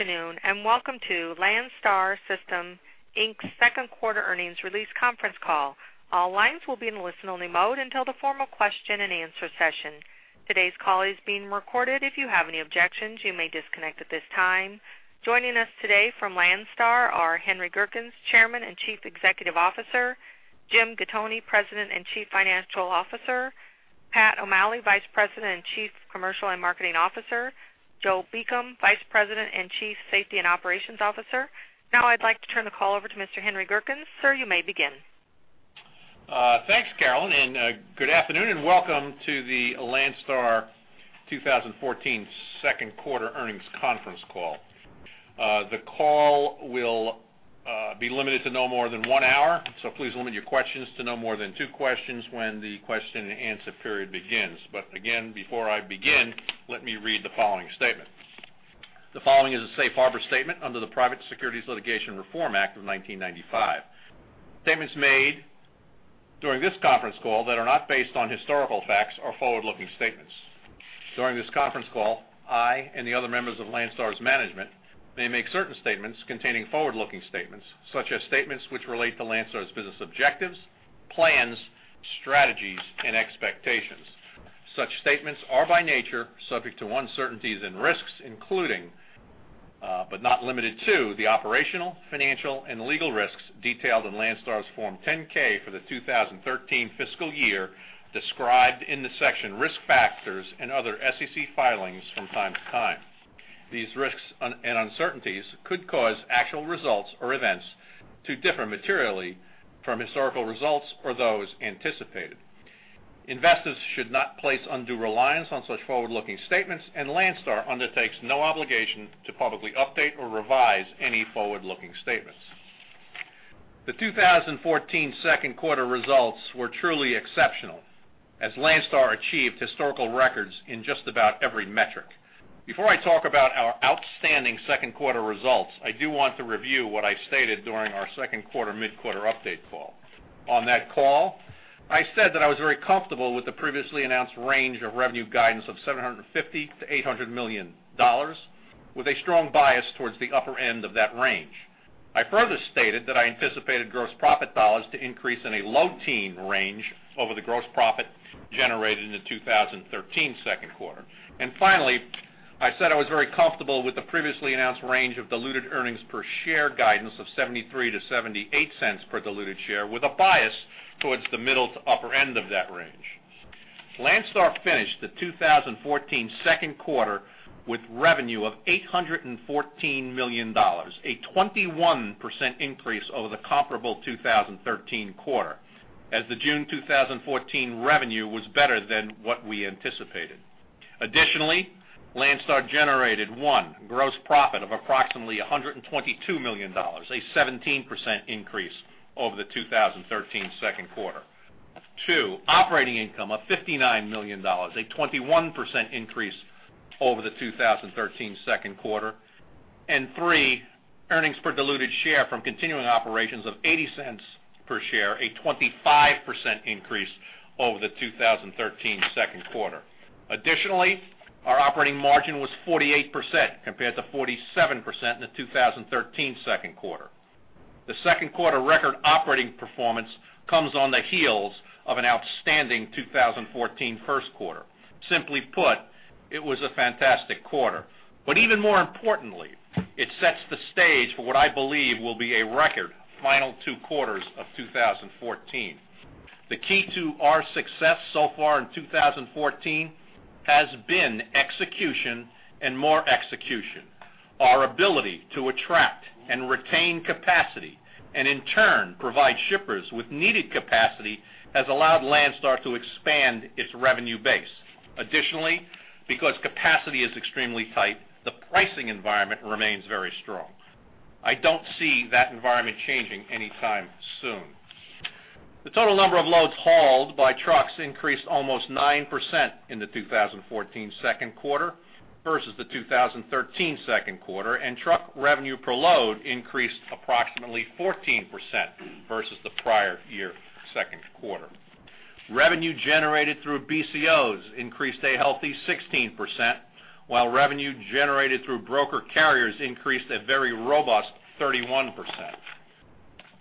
Good afternoon and welcome to Landstar System, Inc.'s Q2 Earnings Release Conference Call. All lines will be in a listen-only mode until the formal question-and-answer session. Today's call is being recorded. If you have any objections, you may disconnect at this time. Joining us today from Landstar are Henry Gerkens, Chairman and Chief Executive Officer, Jim Gattoni, President and Chief Financial Officer, Pat O'Malley, Vice President and Chief Commercial and Marketing Officer, and Joe Beacom, Vice President and Chief Safety and Operations Officer. Now I'd like to turn the call over to Mr. Henry Gerkens. Sir, you may begin. Thanks, Carolyn, and good afternoon, and welcome to the Landstar 2014 Q2 Earnings Conference Call. The call will be limited to no more than one hour, so please limit your questions to no more than two questions when the question-and-answer period begins. But again, before I begin, let me read the following statement. The following is a safe harbor statement under the Private Securities Litigation Reform Act of 1995. Statements made during this conference call that are not based on historical facts are forward-looking statements. During this conference call, I and the other members of Landstar's management may make certain statements containing forward-looking statements, such as statements which relate to Landstar's business objectives, plans, strategies, and expectations. Such statements are by nature subject to uncertainties and risks, including, but not limited to, the operational, financial, and legal risks detailed in Landstar's Form 10-K for the 2013 fiscal year described in the section risk factors and other SEC filings from time to time. These risks and uncertainties could cause actual results or events to differ materially from historical results or those anticipated. Investors should not place undue reliance on such forward-looking statements, and Landstar undertakes no obligation to publicly update or revise any forward-looking statements. The 2014 Q2 results were truly exceptional, as Landstar achieved historical records in just about every metric. Before I talk about our outstanding Q2 results, I do want to review what I stated during our Q2 mid-quarter update call. On that call, I said that I was very comfortable with the previously announced range of revenue guidance of $750-$800 million, with a strong bias towards the upper end of that range. I further stated that I anticipated gross profit dollars to increase in a low-teens range over the gross profit generated in the 2013 Q2. Finally, I said I was very comfortable with the previously announced range of diluted earnings per share guidance of $0.73-$0.78 per diluted share, with a bias towards the middle to upper end of that range. Landstar finished the 2014 Q2 with revenue of $814 million, a 21% increase over the comparable 2013 quarter, as the June 2014 revenue was better than what we anticipated. Additionally, Landstar generated, one, gross profit of approximately $122 million, a 17% increase over the 2013 Q2. Two, operating income of $59 million, a 21% increase over the 2013 Q2. And three, earnings per diluted share from continuing operations of $0.80 per share, a 25% increase over the 2013 Q2. Additionally, our operating margin was 48% compared to 47% in the 2013 Q2. The Q2 record operating performance comes on the heels of an outstanding 2014 Q1. Simply put, it was a fantastic quarter. But even more importantly, it sets the stage for what I believe will be a record final two quarters of 2014. The key to our success so far in 2014 has been execution and more execution. Our ability to attract and retain capacity, and in turn provide shippers with needed capacity, has allowed Landstar to expand its revenue base. Additionally, because capacity is extremely tight, the pricing environment remains very strong. I don't see that environment changing anytime soon. The total number of loads hauled by trucks increased almost 9% in the 2014 Q2 versus the 2013 Q2, and truck revenue per load increased approximately 14% versus the prior year Q2. Revenue generated through BCOs increased a healthy 16%, while revenue generated through broker carriers increased a very robust 31%.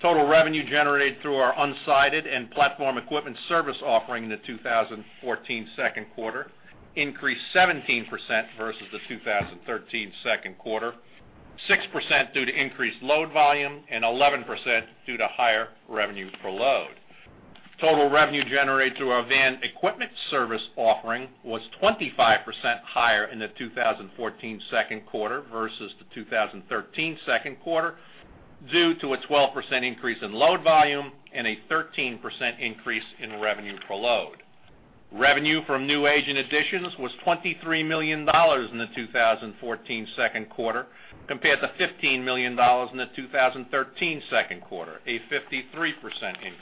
Total revenue generated through our unsided and platform equipment service offering in the 2014 Q2 increased 17% versus the 2013 Q2, 6% due to increased load volume and 11% due to higher revenue per load. Total revenue generated through our van equipment service offering was 25% higher in the 2014 Q2 versus the 2013 Q2, due to a 12% increase in load volume and a 13% increase in revenue per load. Revenue from new agent additions was $23 million in the 2014 Q2 compared to $15 million in the 2013 Q2, a 53% increase.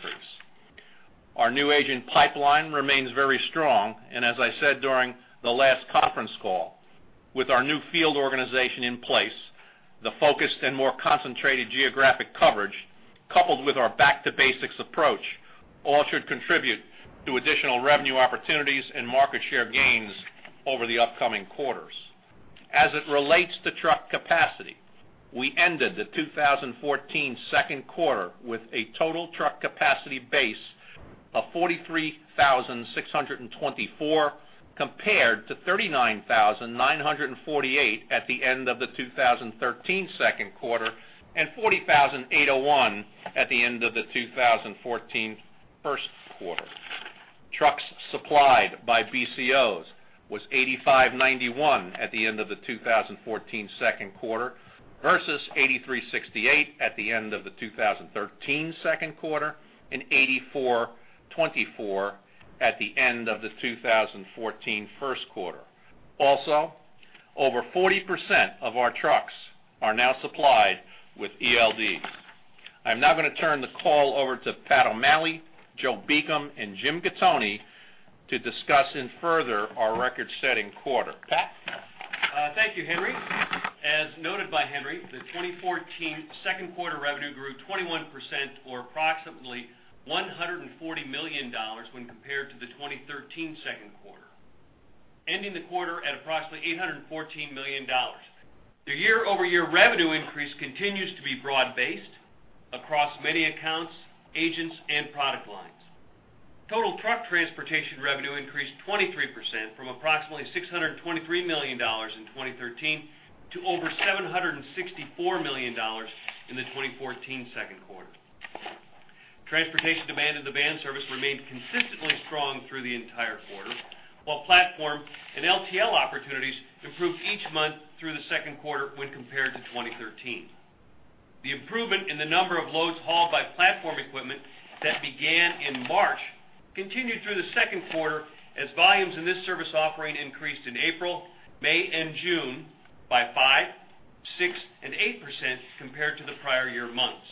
Our new agent pipeline remains very strong, and as I said during the last conference call, with our new field organization in place, the focused and more concentrated geographic coverage, coupled with our back-to-basics approach, all should contribute to additional revenue opportunities and market share gains over the upcoming quarters. As it relates to truck capacity, we ended the 2014 Q2 with a total truck capacity base of 43,624 compared to 39,948 at the end of the 2013 Q2 and 40,801 at the end of the 2014 Q1. Trucks supplied by BCOs was 85,991 at the end of the 2014 Q2 versus 83,688 at the end of the 2013 Q2 and 84,248 at the end of the 2014 Q1. Also, over 40% of our trucks are now supplied with ELD. I'm now going to turn the call over to Pat O'Malley, Joe Beacom, and Jim Gattoni to discuss and further our record-setting quarter. Pat. Thank you, Henry. As noted by Henry, the 2014 Q2 revenue grew 21% or approximately $140 million when compared to the 2013 Q2, ending the quarter at approximately $814 million. The year-over-year revenue increase continues to be broad-based across many accounts, agents, and product lines. Total truck transportation revenue increased 23% from approximately $623 million in 2013 to over $764 million in the 2014 Q2. Transportation demand in the van service remained consistently strong through the entire quarter, while platform and LTL opportunities improved each month through the Q2 when compared to 2013. The improvement in the number of loads hauled by platform equipment that began in March continued through the Q2 as volumes in this service offering increased in April, May, and June by 5, 6, and 8% compared to the prior year months.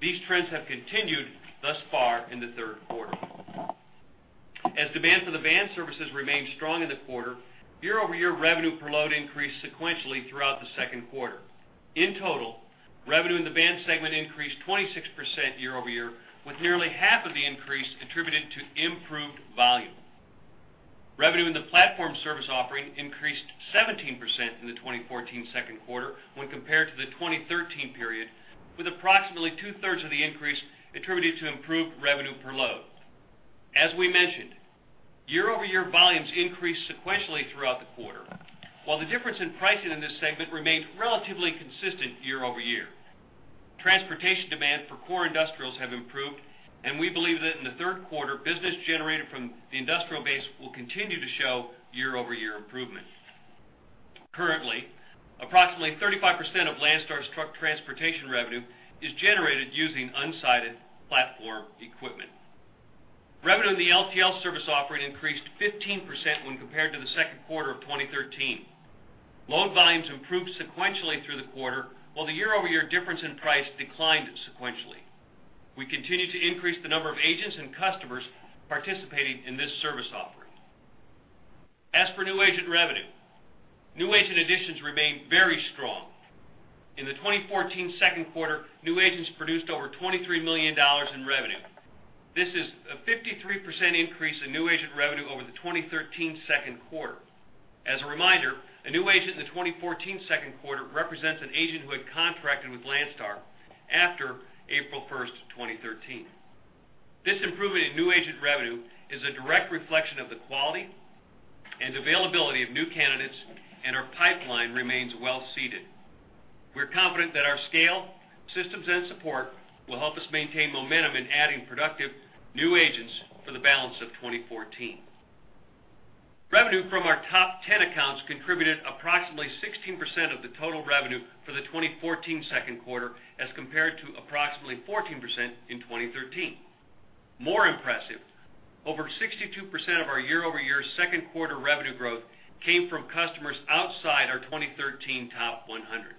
These trends have continued thus far in the Q2. As demand for the van services remained strong in the quarter, year-over-year revenue per load increased sequentially throughout the Q2. In total, revenue in the van segment increased 26% year-over-year, with nearly half of the increase attributed to improved volume. Revenue in the platform service offering increased 17% in the 2014 Q2 when compared to the 2013 period, with approximately two-thirds of the increase attributed to improved revenue per load. As we mentioned, year-over-year volumes increased sequentially throughout the quarter, while the difference in pricing in this segment remained relatively consistent year-over-year. Transportation demand for core industrials has improved, and we believe that in the Q2, business generated from the industrial base will continue to show year-over-year improvement. Currently, approximately 35% of Landstar's truck transportation revenue is generated using unsided platform equipment. Revenue in the LTL service offering increased 15% when compared to the Q2 of 2013. Load volumes improved sequentially through the quarter, while the year-over-year difference in price declined sequentially. We continue to increase the number of agents and customers participating in this service offering. As for new agent revenue, new agent additions remain very strong. In the 2014 Q2, new agents produced over $23 million in revenue. This is a 53% increase in new agent revenue over the 2013 Q2. As a reminder, a new agent in the 2014 Q2 represents an agent who had contracted with Landstar after April 1st, 2013. This improvement in new agent revenue is a direct reflection of the quality and availability of new candidates, and our pipeline remains well-seeded. We're confident that our scale, systems, and support will help us maintain momentum in adding productive new agents for the balance of 2014. Revenue from our top 10 accounts contributed approximately 16% of the total revenue for the 2014 Q2 as compared to approximately 14% in 2013. More impressive, over 62% of our year-over-year Q2 revenue growth came from customers outside our 2013 top 100.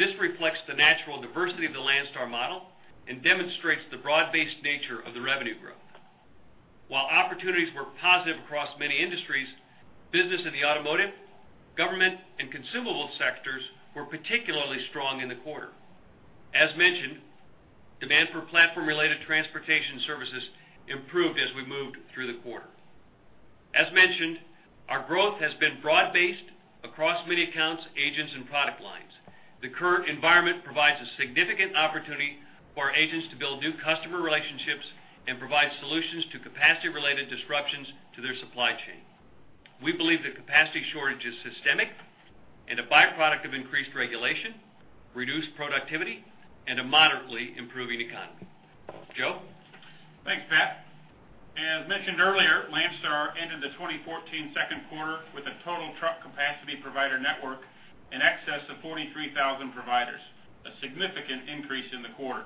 This reflects the natural diversity of the Landstar model and demonstrates the broad-based nature of the revenue growth. While opportunities were positive across many industries, business in the automotive, government, and consumable sectors were particularly strong in the quarter. As mentioned, demand for platform-related transportation services improved as we moved through the quarter. As mentioned, our growth has been broad-based across many accounts, agents, and product lines. The current environment provides a significant opportunity for our agents to build new customer relationships and provide solutions to capacity-related disruptions to their supply chain. We believe the capacity shortage is systemic and a byproduct of increased regulation, reduced productivity, and a moderately improving economy. Joe. Thanks, Pat. As mentioned earlier, Landstar ended the 2014 Q2 with a total truck capacity provider network in excess of 43,000 providers, a significant increase in the quarter.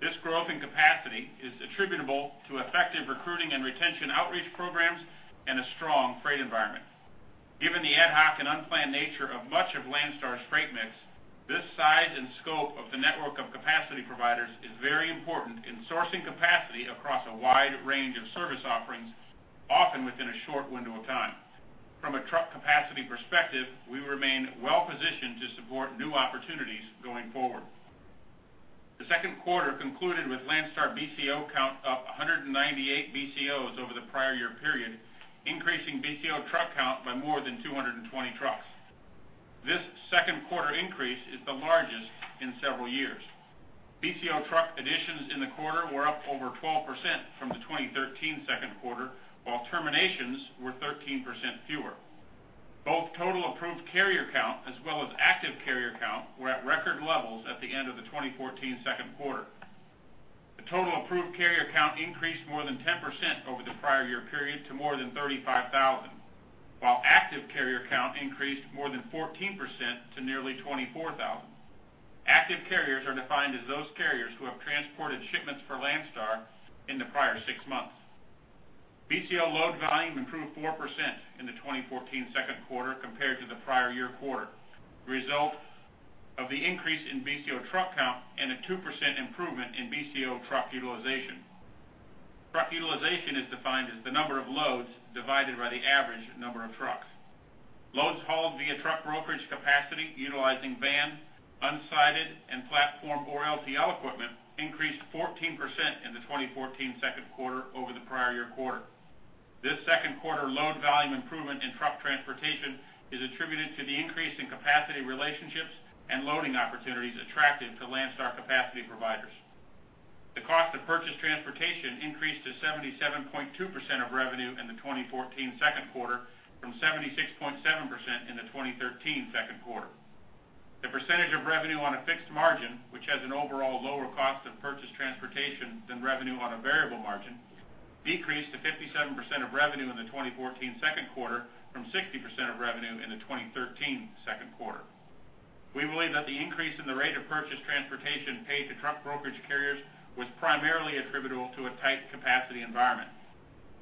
This growth in capacity is attributable to effective recruiting and retention outreach programs and a strong freight environment. Given the ad hoc and unplanned nature of much of Landstar's freight mix, this size and scope of the network of capacity providers is very important in sourcing capacity across a wide range of service offerings, often within a short window of time. From a truck capacity perspective, we remain well-positioned to support new opportunities going forward. The Q2 concluded with Landstar BCO count up 198 BCOs over the prior year period, increasing BCO truck count by more than 220 trucks. This Q2 increase is the largest in several years. BCO truck additions in the quarter were up over 12% from the 2013 Q2, while terminations were 13% fewer. Both total approved carrier count as well as active carrier count were at record levels at the end of the 2014 Q2. The total approved carrier count increased more than 10% over the prior year period to more than 35,000, while active carrier count increased more than 14% to nearly 24,000. Active carriers are defined as those carriers who have transported shipments for Landstar in the prior six months. BCO load volume improved 4% in the 2014 Q2 compared to the prior year quarter. Result of the increase in BCO truck count and a 2% improvement in BCO truck utilization. Truck utilization is defined as the number of loads divided by the average number of trucks. Loads hauled via truck brokerage capacity utilizing van, unsided, and platform or LTL equipment increased 14% in the 2014 Q2 over the prior year quarter. This Q2 load volume improvement in truck transportation is attributed to the increase in capacity relationships and loading opportunities attractive to Landstar capacity providers. The cost of purchased transportation increased to 77.2% of revenue in the 2014 Q2 from 76.7% in the 2013 Q2. The percentage of revenue on a fixed margin, which has an overall lower cost of purchased transportation than revenue on a variable margin, decreased to 57% of revenue in the 2014 Q2 from 60% of revenue in the 2013 Q2. We believe that the increase in the rate of purchased transportation paid to truck brokerage carriers was primarily attributable to a tight capacity environment.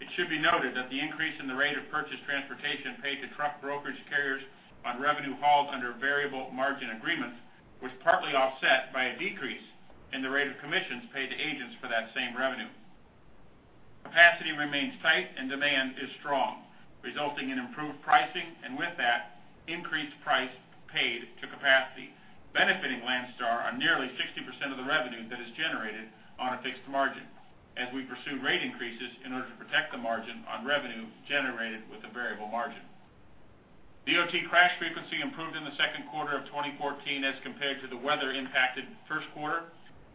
It should be noted that the increase in the rate of purchased transportation paid to truck brokerage carriers on revenue hauled under variable margin agreements was partly offset by a decrease in the rate of commissions paid to agents for that same revenue. Capacity remains tight and demand is strong, resulting in improved pricing and, with that, increased price paid to capacity, benefiting Landstar on nearly 60% of the revenue that is generated on a fixed margin as we pursue rate increases in order to protect the margin on revenue generated with a variable margin. DOT crash frequency improved in the Q2 of 2014 as compared to the weather-impacted Q1.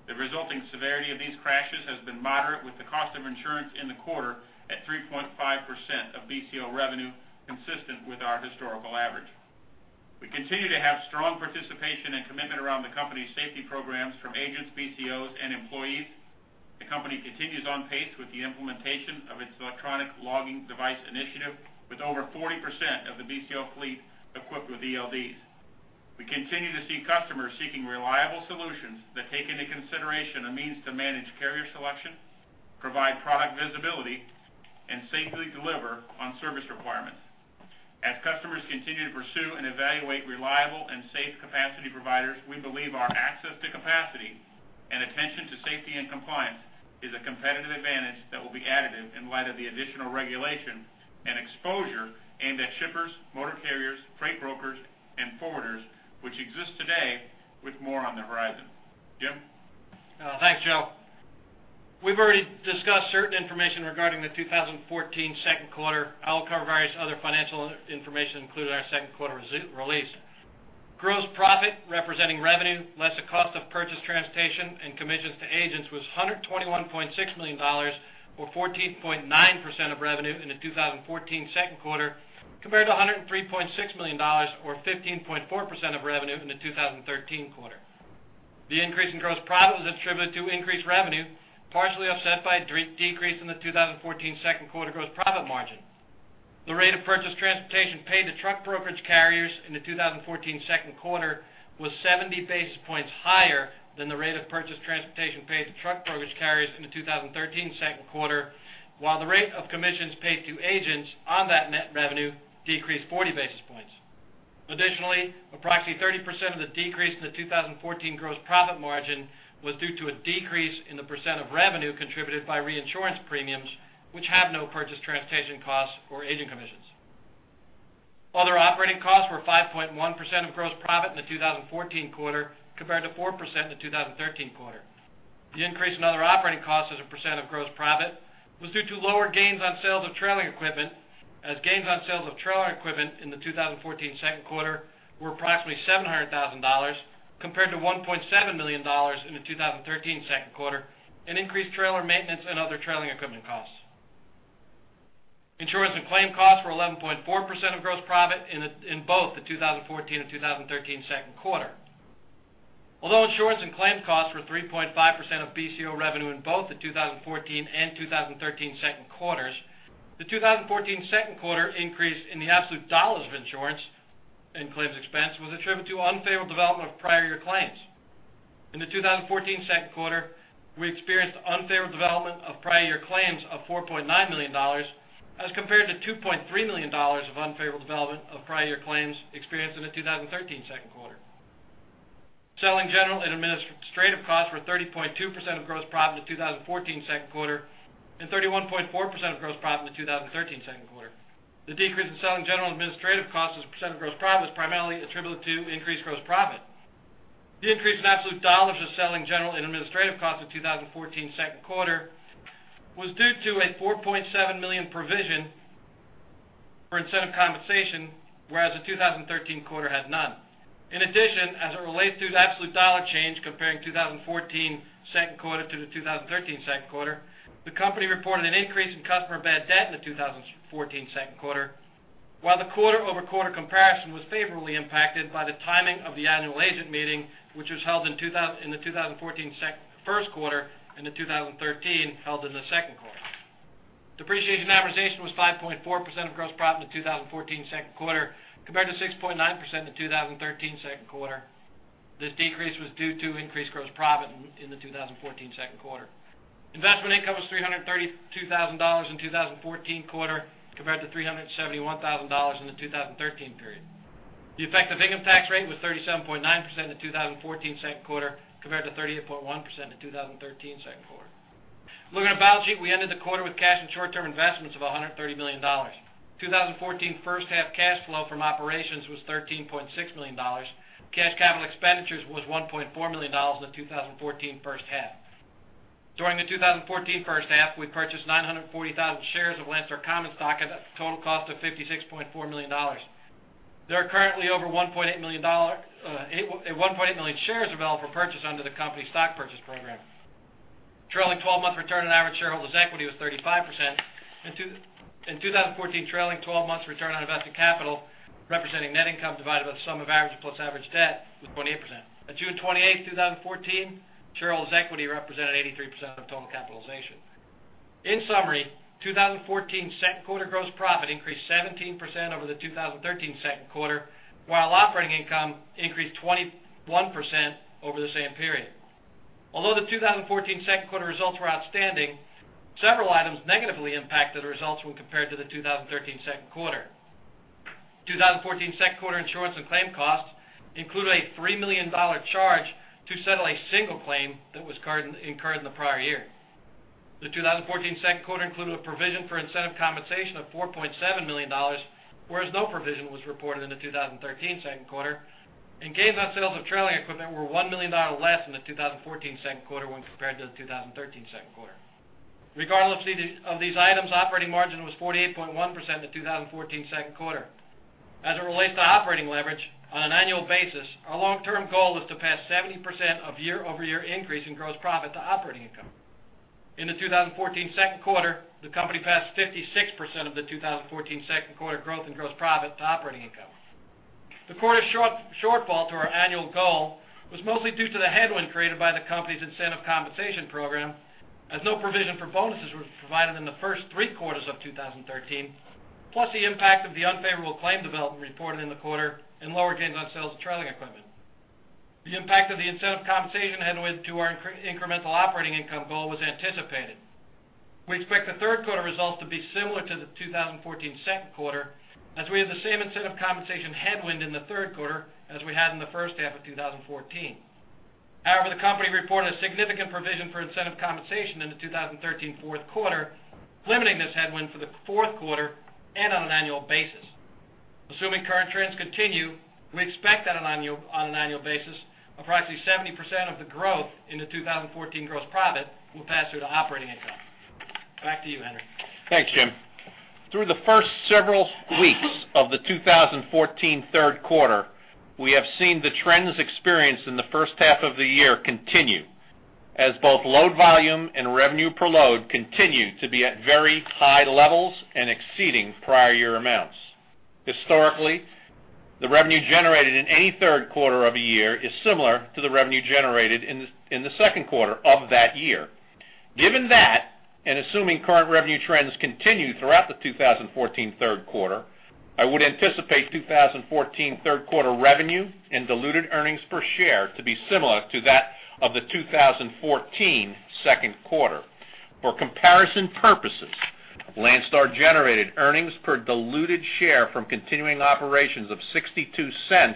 The resulting severity of these crashes has been moderate, with the cost of insurance in the quarter at 3.5% of BCO revenue, consistent with our historical average. We continue to have strong participation and commitment around the company's safety programs from agents, BCOs, and employees. The company continues on pace with the implementation of its electronic logging device initiative, with over 40% of the BCO fleet equipped with ELDs. We continue to see customers seeking reliable solutions that take into consideration a means to manage carrier selection, provide product visibility, and safely deliver on service requirements. As customers continue to pursue and evaluate reliable and safe capacity providers, we believe our access to capacity and attention to safety and compliance is a competitive advantage that will be additive in light of the additional regulation and exposure aimed at shippers, motor carriers, freight brokers, and forwarders, which exists today, with more on the horizon. Jim. Thanks, Joe. We've already discussed certain information regarding the 2014 Q2. I'll cover various other financial information included in our Q2 release. Gross profit representing revenue, less the cost of purchased transportation and commissions to agents, was $121.6 million or 14.9% of revenue in the 2014 Q2 compared to $103.6 million or 15.4% of revenue in the 2013 quarter. The increase in gross profit was attributed to increased revenue, partially offset by a decrease in the 2014 Q2 gross profit margin. The rate of purchased transportation paid to truck brokerage carriers in the 2014 Q2 was 70 basis points higher than the rate of purchased transportation paid to truck brokerage carriers in the 2013 Q2, while the rate of commissions paid to agents on that net revenue decreased 40 basis points. Additionally, approximately 30% of the decrease in the 2014 gross profit margin was due to a decrease in the percent of revenue contributed by reinsurance premiums, which have no purchased transportation costs or agent commissions. Other operating costs were 5.1% of gross profit in the 2014 quarter compared to 4% in the 2013 quarter. The increase in other operating costs as a percent of gross profit was due to lower gains on sales of trailing equipment, as gains on sales of trailing equipment in the 2014 Q2 were approximately $700,000 compared to $1.7 million in the 2013 Q2, and increased trailer maintenance and other trailing equipment costs. Insurance and claim costs were 11.4% of gross profit in both the 2014 and 2013 Q2. Although insurance and claim costs were 3.5% of BCO revenue in both the 2014 and 2013 Q2s, the 2014 Q2 increase in the absolute dollars of insurance and claims expense was attributed to unfavorable development of prior year claims. In the 2014 Q2, we experienced unfavorable development of prior year claims of $4.9 million as compared to $2.3 million of unfavorable development of prior year claims experienced in the 2013 Q2. Selling general and administrative costs were 30.2% of gross profit in the 2014 Q2 and 31.4% of gross profit in the 2013 Q2. The decrease in selling general and administrative costs as a percent of gross profit was primarily attributed to increased gross profit. The increase in absolute dollars of selling general and administrative costs in the 2014 Q2 was due to a $4.7 million provision for incentive compensation, whereas the 2013 quarter had none. In addition, as it relates to the absolute dollar change comparing 2014 Q2 to the 2013 Q2, the company reported an increase in customer bad debt in the 2014 Q2, while the quarter-over-quarter comparison was favorably impacted by the timing of the annual agent meeting, which was held in the 2014 Q1 and the 2013 held in the Q2. Depreciation amortization was 5.4% of gross profit in the 2014 Q2 compared to 6.9% in the 2013 Q2. This decrease was due to increased gross profit in the 2014 Q2. Investment income was $332,000 in the 2014 quarter compared to $371,000 in the 2013 period. The effective income tax rate was 37.9% in the 2014 Q2 compared to 38.1% in the 2013 Q2. Looking at a balance sheet, we ended the quarter with cash and short-term investments of $130 million. 2014 first half cash flow from operations was $13.6 million. Cash capital expenditures was $1.4 million in the 2014 first half. During the 2014 first half, we purchased 940,000 shares of Landstar Common Stock at a total cost of $56.4 million. There are currently over 1.8 million shares available for purchase under the company's stock purchase program. Trailing 12-month return on average shareholders' equity was 35%. In 2014, trailing 12-month return on invested capital representing net income divided by the sum of average plus average debt was 28%. On June 28, 2014, shareholders' equity represented 83% of total capitalization. In summary, 2014 Q2 gross profit increased 17% over the 2013 Q2, while operating income increased 21% over the same period. Although the 2014 Q2 results were outstanding, several items negatively impacted the results when compared to the 2013 Q2. 2014 Q2 insurance and claim costs included a $3 million charge to settle a single claim that was incurred in the prior year. The 2014 Q2 included a provision for incentive compensation of $4.7 million, whereas no provision was reported in the 2013 Q2. Gains on sales of trailing equipment were $1 million less in the 2014 Q2 when compared to the 2013 Q2. Regardless of these items, operating margin was 48.1% in the 2014 Q2. As it relates to operating leverage, on an annual basis, our long-term goal is to pass 70% of year-over-year increase in gross profit to operating income. In the 2014 Q2, the company passed 56% of the 2014 Q2 growth in gross profit to operating income. The quarter's shortfall to our annual goal was mostly due to the headwind created by the company's incentive compensation program, as no provision for bonuses was provided in the first three quarters of 2013, plus the impact of the unfavorable claim development reported in the quarter and lower gains on sales of trailing equipment. The impact of the incentive compensation headwind to our incremental operating income goal was anticipated. We expect the Q2 results to be similar to the 2014 Q2, as we had the same incentive compensation headwind in the Q2 as we had in the first half of 2014. However, the company reported a significant provision for incentive compensation in the 2013 Q2, limiting this headwind for the Q2 and on an annual basis. Assuming current trends continue, we expect that on an annual basis, approximately 70% of the growth in the 2014 gross profit will pass through to operating income. Back to you, Henry. Thanks, Jim. Through the first several weeks of the 2014 Q2, we have seen the trends experienced in the first half of the year continue as both load volume and revenue per load continue to be at very high levels and exceeding prior year amounts. Historically, the revenue generated in any Q2 of a year is similar to the revenue generated in the Q2 of that year. Given that, and assuming current revenue trends continue throughout the 2014 Q2, I would anticipate 2014 Q2 revenue and diluted earnings per share to be similar to that of the 2014 Q2. For comparison purposes, Landstar generated diluted earnings per share from continuing operations of $0.62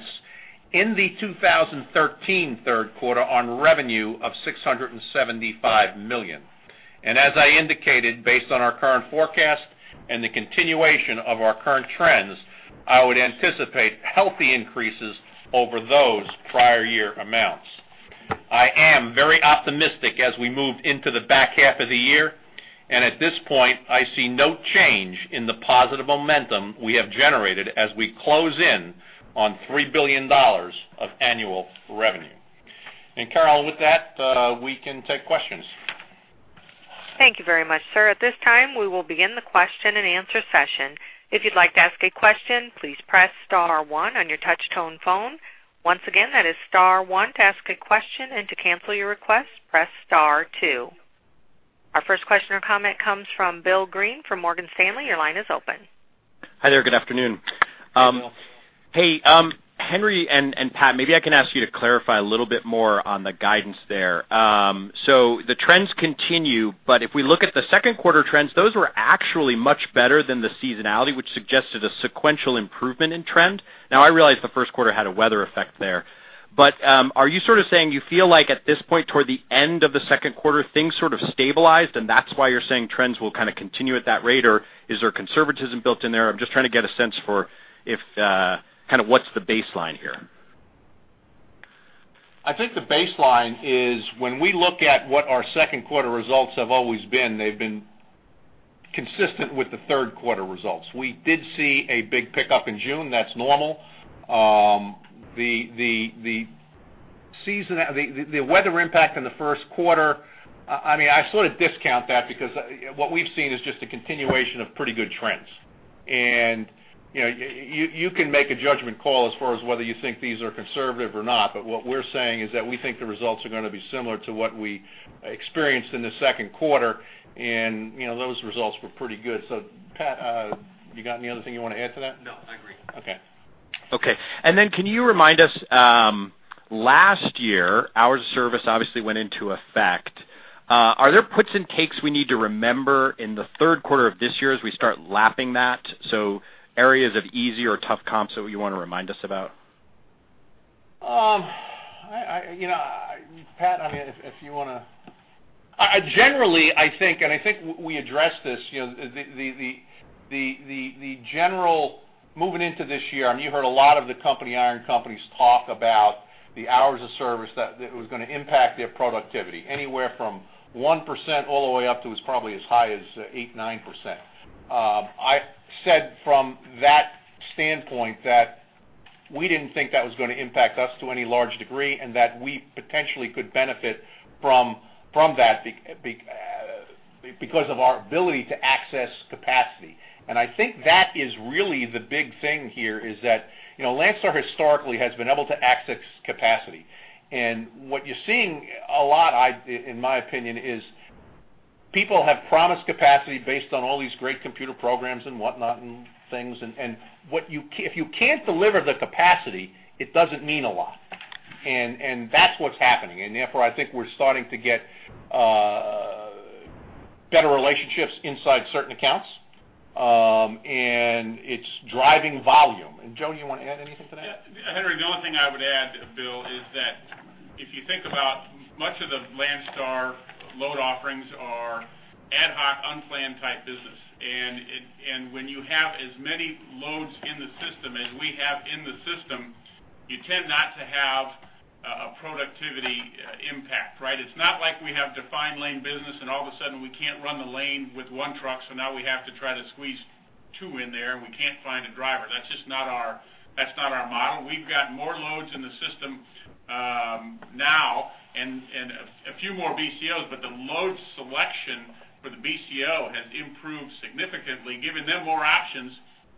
in the 2013 Q2 on revenue of $675 million. As I indicated, based on our current forecast and the continuation of our current trends, I would anticipate healthy increases over those prior year amounts. I am very optimistic as we move into the back half of the year, and at this point, I see no change in the positive momentum we have generated as we close in on $3 billion of annual revenue. Carol, with that, we can take questions. Thank you very much, sir. At this time, we will begin the question and answer session. If you'd like to ask a question, please press Star 1 on your touch-tone phone. Once again, that is Star 1 to ask a question, and to cancel your request, press Star 2. Our first question or comment comes from Bill Greene from Morgan Stanley. Your line is open. Hi there. Good afternoon. Hey, Henry and Pat, maybe I can ask you to clarify a little bit more on the guidance there. So the trends continue, but if we look at the Q2 trends, those were actually much better than the seasonality, which suggested a sequential improvement in trend. Now, I realize the Q1 had a weather effect there. But are you sort of saying you feel like at this point toward the end of the Q2, things sort of stabilized, and that's why you're saying trends will kind of continue at that rate, or is there conservatism built in there? I'm just trying to get a sense for kind of what's the baseline here? I think the baseline is when we look at what our Q2 results have always been, they've been consistent with the Q2 results. We did see a big pickup in June. That's normal. The weather impact in the Q1, I mean, I sort of discount that because what we've seen is just a continuation of pretty good trends. And you can make a judgment call as far as whether you think these are conservative or not, but what we're saying is that we think the results are going to be similar to what we experienced in the Q2, and those results were pretty good. So, Pat, you got any other thing you want to add to that? No, I agree. Okay. Okay. Then can you remind us, last year, hours of service obviously went into effect. Are there puts and takes we need to remember in the Q2 of this year as we start lapping that? So areas of easy or tough comps that you want to remind us about? Pat, I mean, if you want to. Generally, I think, and I think we addressed this, generally moving into this year, I mean, you heard a lot of the trucking companies talk about the hours of service that was going to impact their productivity, anywhere from 1% all the way up to probably as high as 8%-9%. I said from that standpoint that we didn't think that was going to impact us to any large degree and that we potentially could benefit from that because of our ability to access capacity. I think that is really the big thing here is that Landstar historically has been able to access capacity. What you're seeing a lot, in my opinion, is people have promised capacity based on all these great computer programs and whatnot and things. If you can't deliver the capacity, it doesn't mean a lot. That's what's happening. And therefore, I think we're starting to get better relationships inside certain accounts, and it's driving volume. And, Joe, you want to add anything to that? Yeah. Henry, the only thing I would add, Bill, is that if you think about much of the Landstar load offerings are ad hoc, unplanned type business. When you have as many loads in the system as we have in the system, you tend not to have a productivity impact, right? It's not like we have defined lane business and all of a sudden we can't run the lane with one truck, so now we have to try to squeeze two in there and we can't find a driver. That's just not our model. We've got more loads in the system now and a few more BCOs, but the load selection for the BCO has improved significantly, giving them more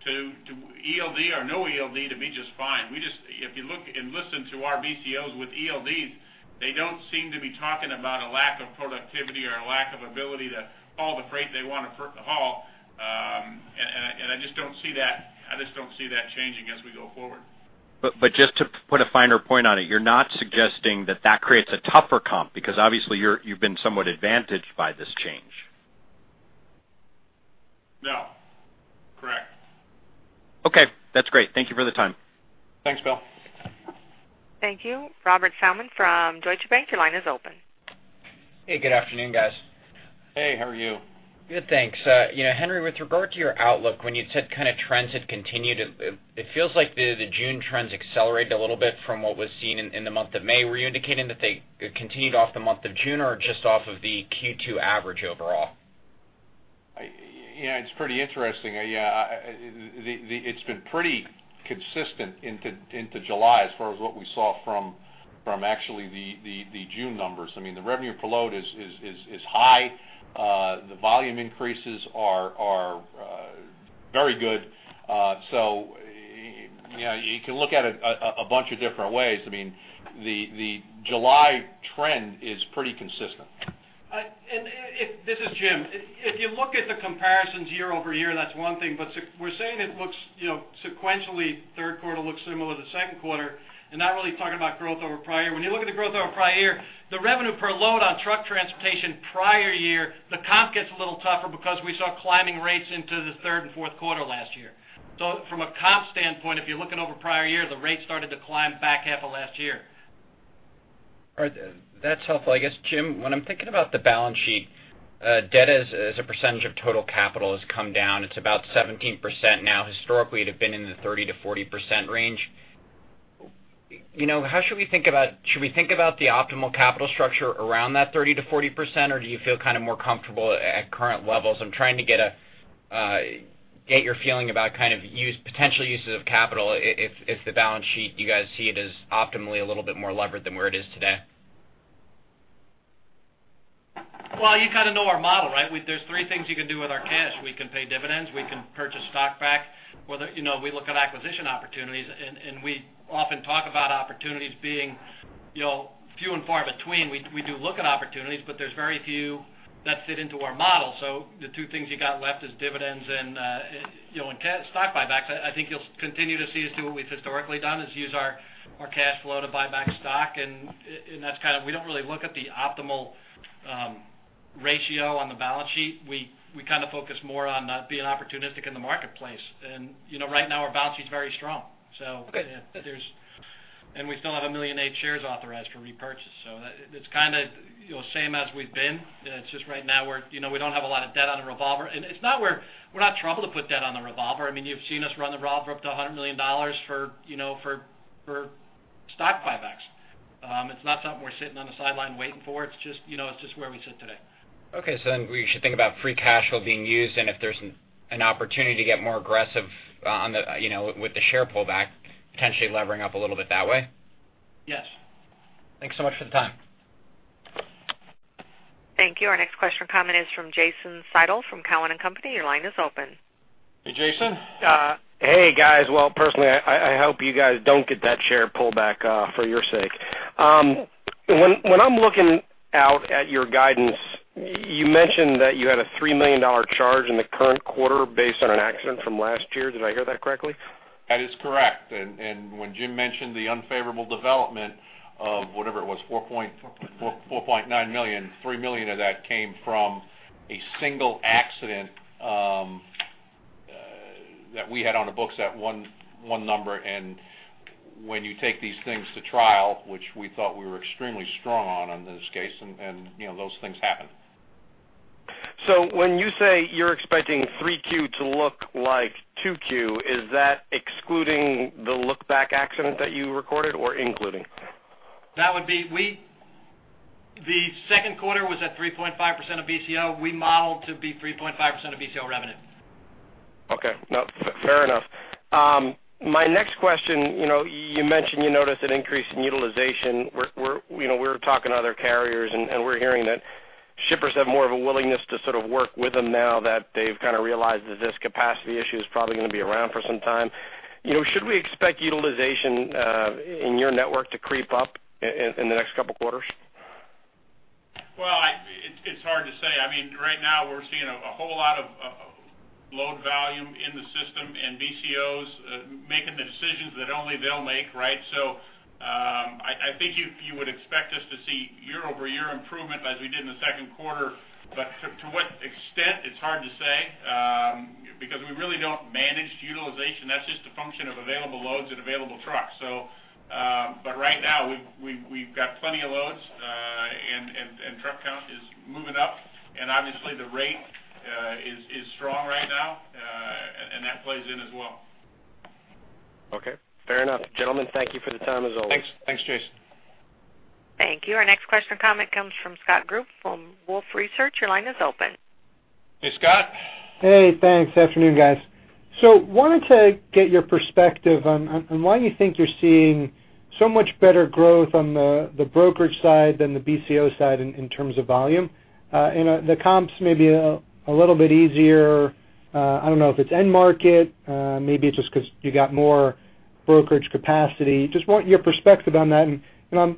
options to ELD or no ELD to be just fine. If you look and listen to our BCOs with ELDs, they don't seem to be talking about a lack of productivity or a lack of ability to haul the freight they want to haul. And I just don't see that I just don't see that changing as we go forward. Just to put a finer point on it, you're not suggesting that that creates a tougher comp because obviously you've been somewhat advantaged by this change? No. Correct. Okay. That's great. Thank you for the time. Thanks, Bill. Thank you. Robert Salmon from Deutsche Bank. Your line is open. Hey, good afternoon, guys. Hey, how are you? Good, thanks. Henry, with regard to your outlook, when you said kind of trends had continued, it feels like the June trends accelerated a little bit from what was seen in the month of May. Were you indicating that they continued off the month of June or just off of the Q2 average overall? It's pretty interesting. It's been pretty consistent into July as far as what we saw from actually the June numbers. I mean, the revenue per load is high. The volume increases are very good. So you can look at it a bunch of different ways. I mean, the July trend is pretty consistent. This is Jim. If you look at the comparisons year-over-year, that's one thing, but we're saying it looks sequentially, Q2 looks similar to the Q2, and not really talking about growth over prior year. When you look at the growth over prior year, the revenue per load on truck transportation prior year, the comp gets a little tougher because we saw climbing rates into the third and Q2 last year. So from a comp standpoint, if you're looking over prior year, the rates started to climb back half of last year. That's helpful. I guess, Jim, when I'm thinking about the balance sheet, debt as a percentage of total capital has come down. It's about 17% now. Historically, it had been in the 30%-40% range. How should we think about should we think about the optimal capital structure around that 30%-40%, or do you feel kind of more comfortable at current levels? I'm trying to get your feeling about kind of potential uses of capital if the balance sheet you guys see it as optimally a little bit more levered than where it is today. Well, you kind of know our model, right? There's three things you can do with our cash. We can pay dividends. We can purchase stock back. We look at acquisition opportunities, and we often talk about opportunities being few and far between. We do look at opportunities, but there's very few that fit into our model. So the two things you got left is dividends and stock buybacks. I think you'll continue to see as to what we've historically done is use our cash flow to buy back stock, and that's kind of we don't really look at the optimal ratio on the balance sheet. We kind of focus more on being opportunistic in the marketplace. And right now, our balance sheet is very strong. So there's. And we still have 1.8 million shares authorized for repurchase. So it's kind of same as we've been. It's just, right now, we don't have a lot of debt on a revolver. It's not, we're not in trouble to put debt on a revolver. I mean, you've seen us run the revolver up to $100 million for stock buybacks. It's not something we're sitting on the sidelines waiting for. It's just where we sit today. Okay. So then we should think about free cash flow being used and if there's an opportunity to get more aggressive with the share pullback, potentially levering up a little bit that way. Yes. Thanks so much for the time. Thank you. Our next question or comment is from Jason Seidl from Cowen and Company. Your line is open. Hey, Jason. Hey, guys. Well, personally, I hope you guys don't get that share pullback for your sake. When I'm looking out at your guidance, you mentioned that you had a $3 million charge in the current quarter based on an accident from last year. Did I hear that correctly? That is correct. And when Jim mentioned the unfavorable development of whatever it was, $4.9 million, $3 million of that came from a single accident that we had on the books, that one number. And when you take these things to trial, which we thought we were extremely strong on in this case, and those things happen. When you say you're expecting 3Q to look like 2Q, is that excluding the look-back accident that you recorded or including? That would be the Q2 was at 3.5% of BCO. We modeled to be 3.5% of BCO revenue. Okay. Fair enough. My next question, you mentioned you noticed an increase in utilization. We were talking to other carriers, and we're hearing that shippers have more of a willingness to sort of work with them now that they've kind of realized that this capacity issue is probably going to be around for some time. Should we expect utilization in your network to creep up in the next couple of quarters? Well, it's hard to say. I mean, right now, we're seeing a whole lot of load volume in the system and BCOs making the decisions that only they'll make, right? I think you would expect us to see year-over-year improvement as we did in the Q2, but to what extent, it's hard to say because we really don't manage utilization. That's just a function of available loads and available trucks. Right now, we've got plenty of loads, and truck count is moving up. Obviously, the rate is strong right now, and that plays in as well. Okay. Fair enough. Gentlemen, thank you for the time as always. Thanks. Thanks, Jason. Thank you. Our next question or comment comes from Scott Group from Wolfe Research. Your line is open. Hey, Scott. Hey. Thanks. Afternoon, guys. So, wanted to get your perspective on why you think you're seeing so much better growth on the brokerage side than the BCO side in terms of volume. The comps may be a little bit easier. I don't know if it's end market, maybe it's just because you got more brokerage capacity. Just want your perspective on that. And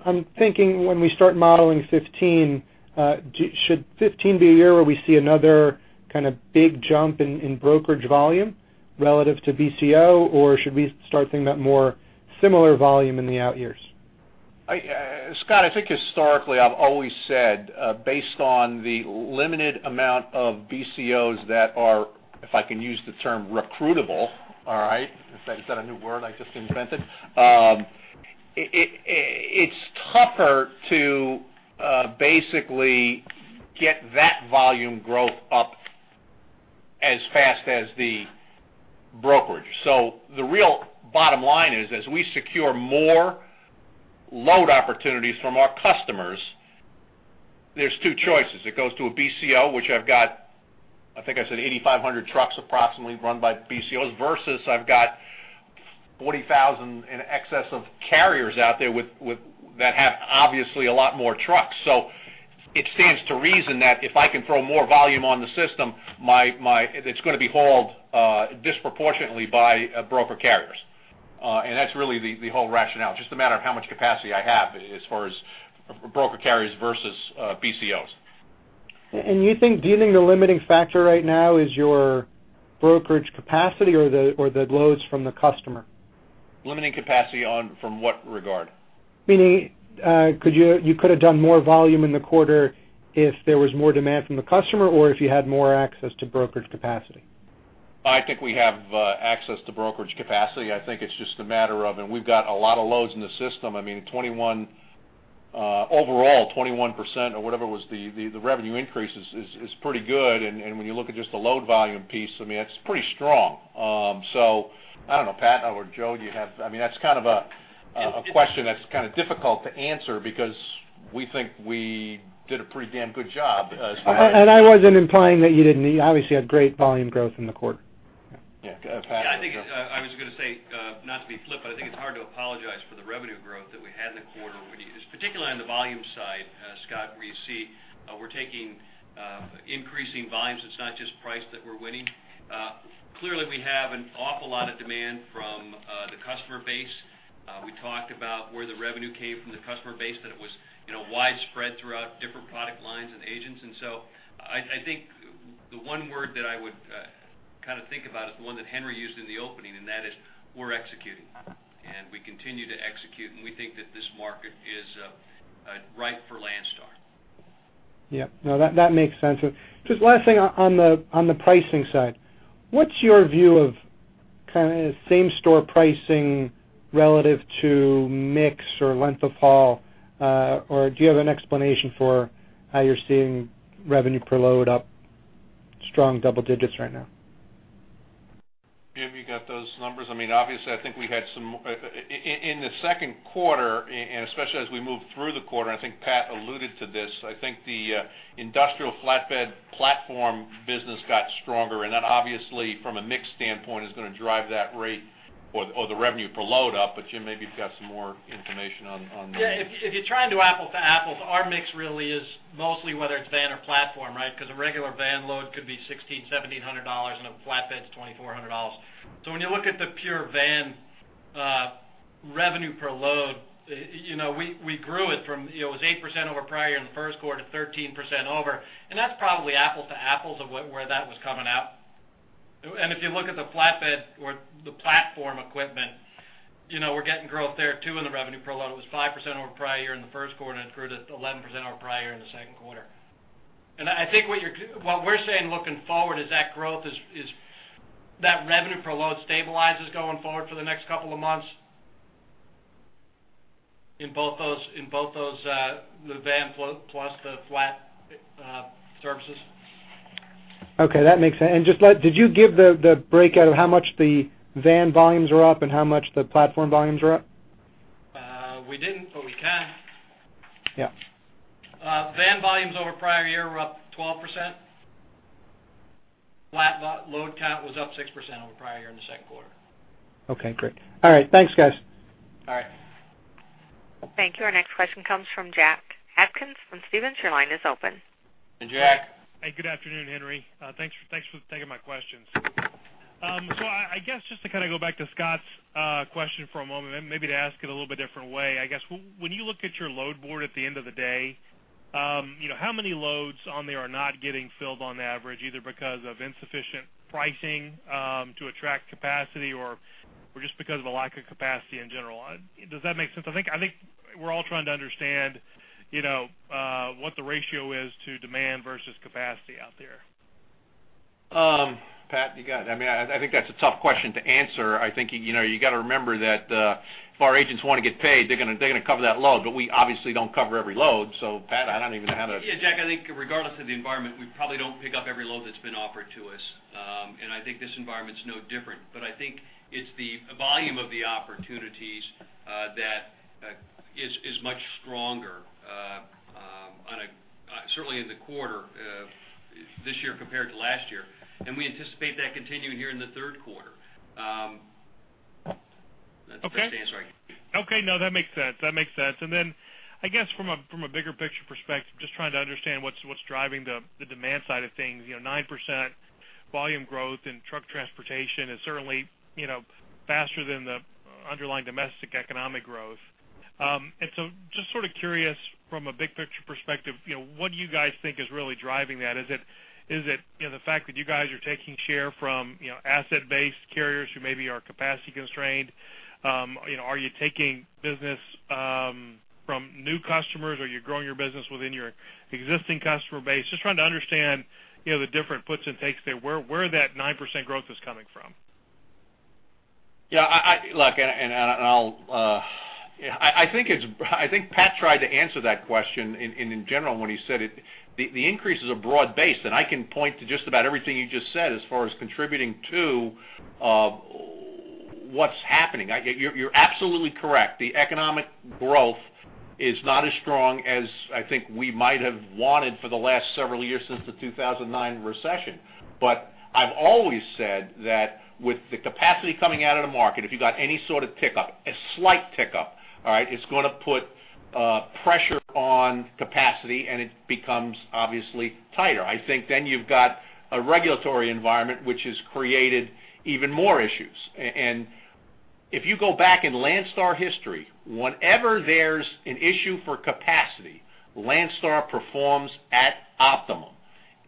I'm thinking when we start modeling 2015, should 2015 be a year where we see another kind of big jump in brokerage volume relative to BCO, or should we start thinking about more similar volume in the out years? Scott, I think historically, I've always said based on the limited amount of BCOs that are, if I can use the term, recruitable, all right? Is that a new word I just invented? It's tougher to basically get that volume growth up as fast as the brokerage. So the real bottom line is as we secure more load opportunities from our customers, there's two choices. It goes to a BCO, which I've got, I think I said 8,500 trucks approximately run by BCOs versus I've got 40,000 in excess of carriers out there that have obviously a lot more trucks. So it stands to reason that if I can throw more volume on the system, it's going to be hauled disproportionately by broker carriers. And that's really the whole rationale. It's just a matter of how much capacity I have as far as broker carriers versus BCOs. You think the limiting factor right now is your brokerage capacity or the loads from the customer? Limiting capacity from what regard? Meaning you could have done more volume in the quarter if there was more demand from the customer or if you had more access to brokerage capacity? I think we have access to brokerage capacity. I think it's just a matter of, and we've got a lot of loads in the system. I mean, overall, 21% or whatever was the revenue increase is pretty good. When you look at just the load volume piece, I mean, it's pretty strong. So I don't know, Pat or Joe, do you have? I mean, that's kind of a question that's kind of difficult to answer because we think we did a pretty damn good job as far as. I wasn't implying that you didn't. You obviously had great volume growth in the quarter. Yeah. I think I was going to say not to be flip, but I think it's hard to apologize for the revenue growth that we had in the quarter, particularly on the volume side, Scott, where you see we're taking increasing volumes. It's not just price that we're winning. Clearly, we have an awful lot of demand from the customer base. We talked about where the revenue came from the customer base, that it was widespread throughout different product lines and agents. And so I think the one word that I would kind of think about is the one that Henry used in the opening, and that is we're executing. And we continue to execute, and we think that this market is ripe for Landstar. Yep. No, that makes sense. Just last thing on the pricing side. What's your view of kind of same-store pricing relative to mix or length of haul? Or do you have an explanation for how you're seeing revenue per load up strong double digits right now? Jim, you got those numbers? I mean, obviously, I think we had some in the Q2, and especially as we moved through the quarter, and I think Pat alluded to this. I think the industrial flatbed platform business got stronger. And that obviously, from a mix standpoint, is going to drive that rate or the revenue per load up. But Jim, maybe you've got some more information on that. Yeah. If you're trying to apples to apples, our mix really is mostly whether it's van or platform, right? Because a regular van load could be $1,600-$1,700, and a flatbed's $2,400. So when you look at the pure van revenue per load, we grew it from it was 8% over prior year in the Q1 to 13% over. And that's probably apples to apples of where that was coming out. And if you look at the flatbed or the platform equipment, we're getting growth there too in the revenue per load. It was 5% over prior year in the Q1, and it grew to 11% over prior year in the Q2. And I think what we're saying looking forward is that growth is that revenue per load stabilizes going forward for the next couple of months in both those van plus the flat services. Okay. That makes sense. And just did you give the breakout of how much the van volumes were up and how much the platform volumes were up? We didn't, but we can. Yeah. Van volumes over prior year were up 12%. Flat load count was up 6% over prior year in the Q2. Okay. Great. All right. Thanks, guys. All right. Thank you. Our next question comes from Jack Atkins from Stephens. Your line is open. Hey, Jack. Hey, good afternoon, Henry. Thanks for taking my questions. So I guess just to kind of go back to Scott's question for a moment, maybe to ask it a little bit different way. I guess when you look at your load board at the end of the day, how many loads on there are not getting filled on average, either because of insufficient pricing to attract capacity or just because of a lack of capacity in general? Does that make sense? I think we're all trying to understand what the ratio is to demand versus capacity out there. Pat, you got it. I mean, I think that's a tough question to answer. I think you got to remember that if our agents want to get paid, they're going to cover that load, but we obviously don't cover every load. So Pat, I don't even know how to. Yeah, Jack, I think regardless of the environment, we probably don't pick up every load that's been offered to us. And I think this environment's no different. But I think it's the volume of the opportunities that is much stronger, certainly in the quarter this year compared to last year. And we anticipate that continuing here in the Q2. That's a good answer. Okay. No, that makes sense. That makes sense. And then I guess from a bigger picture perspective, just trying to understand what's driving the demand side of things. 9% volume growth in truck transportation is certainly faster than the underlying domestic economic growth. And so just sort of curious from a big picture perspective, what do you guys think is really driving that? Is it the fact that you guys are taking share from asset-based carriers who maybe are capacity constrained? Are you taking business from new customers? Are you growing your business within your existing customer base? Just trying to understand the different puts and takes there. Where that 9% growth is coming from? Yeah. Look, and I'll I think Pat tried to answer that question in general when he said it. The increase is a broad base, and I can point to just about everything you just said as far as contributing to what's happening. You're absolutely correct. The economic growth is not as strong as I think we might have wanted for the last several years since the 2009 recession. But I've always said that with the capacity coming out of the market, if you've got any sort of tick up, a slight tick up, all right, it's going to put pressure on capacity, and it becomes obviously tighter. I think then you've got a regulatory environment which has created even more issues. And if you go back in Landstar history, whenever there's an issue for capacity, Landstar performs at optimum.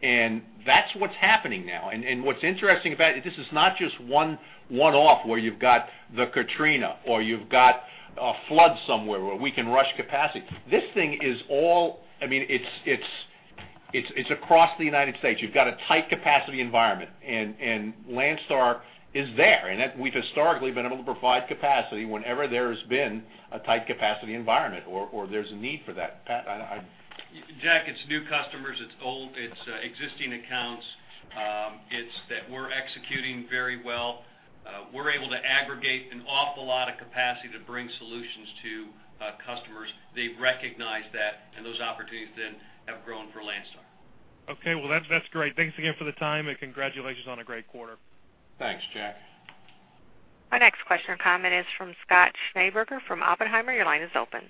And that's what's happening now. What's interesting about it, this is not just one-off where you've got the Katrina or you've got a flood somewhere where we can rush capacity. This thing is all, I mean, it's across the United States. You've got a tight capacity environment, and Landstar is there. And we've historically been able to provide capacity whenever there has been a tight capacity environment or there's a need for that. Pat, I don't know. Jack, it's new customers. It's old. It's existing accounts. It's that we're executing very well. We're able to aggregate an awful lot of capacity to bring solutions to customers. They recognize that, and those opportunities then have grown for Landstar. Okay. Well, that's great. Thanks again for the time, and congratulations on a great quarter. Thanks, Jack. Our next question or comment is from Scott Schneeberger from Oppenheimer. Your line is open.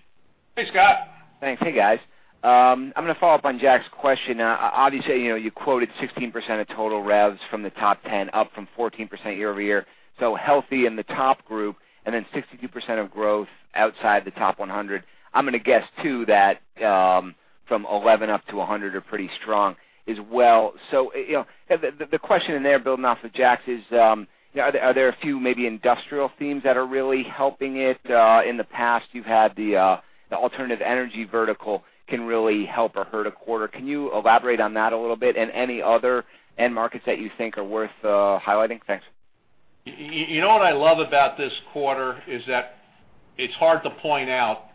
Hey, Scott. Thanks. Hey, guys. I'm going to follow up on Jack's question. Obviously, you quoted 16% of total revs from the top 10, up from 14% year-over-year. So healthy in the top group, and then 62% of growth outside the top 100. I'm going to guess too that from 11 up to 100 are pretty strong as well. So the question in there, building off of Jack's, is are there a few maybe industrial themes that are really helping it? In the past, you've had the alternative energy vertical can really help or hurt a quarter. Can you elaborate on that a little bit and any other end markets that you think are worth highlighting? Thanks. You know what I love about this quarter is that it's hard to point out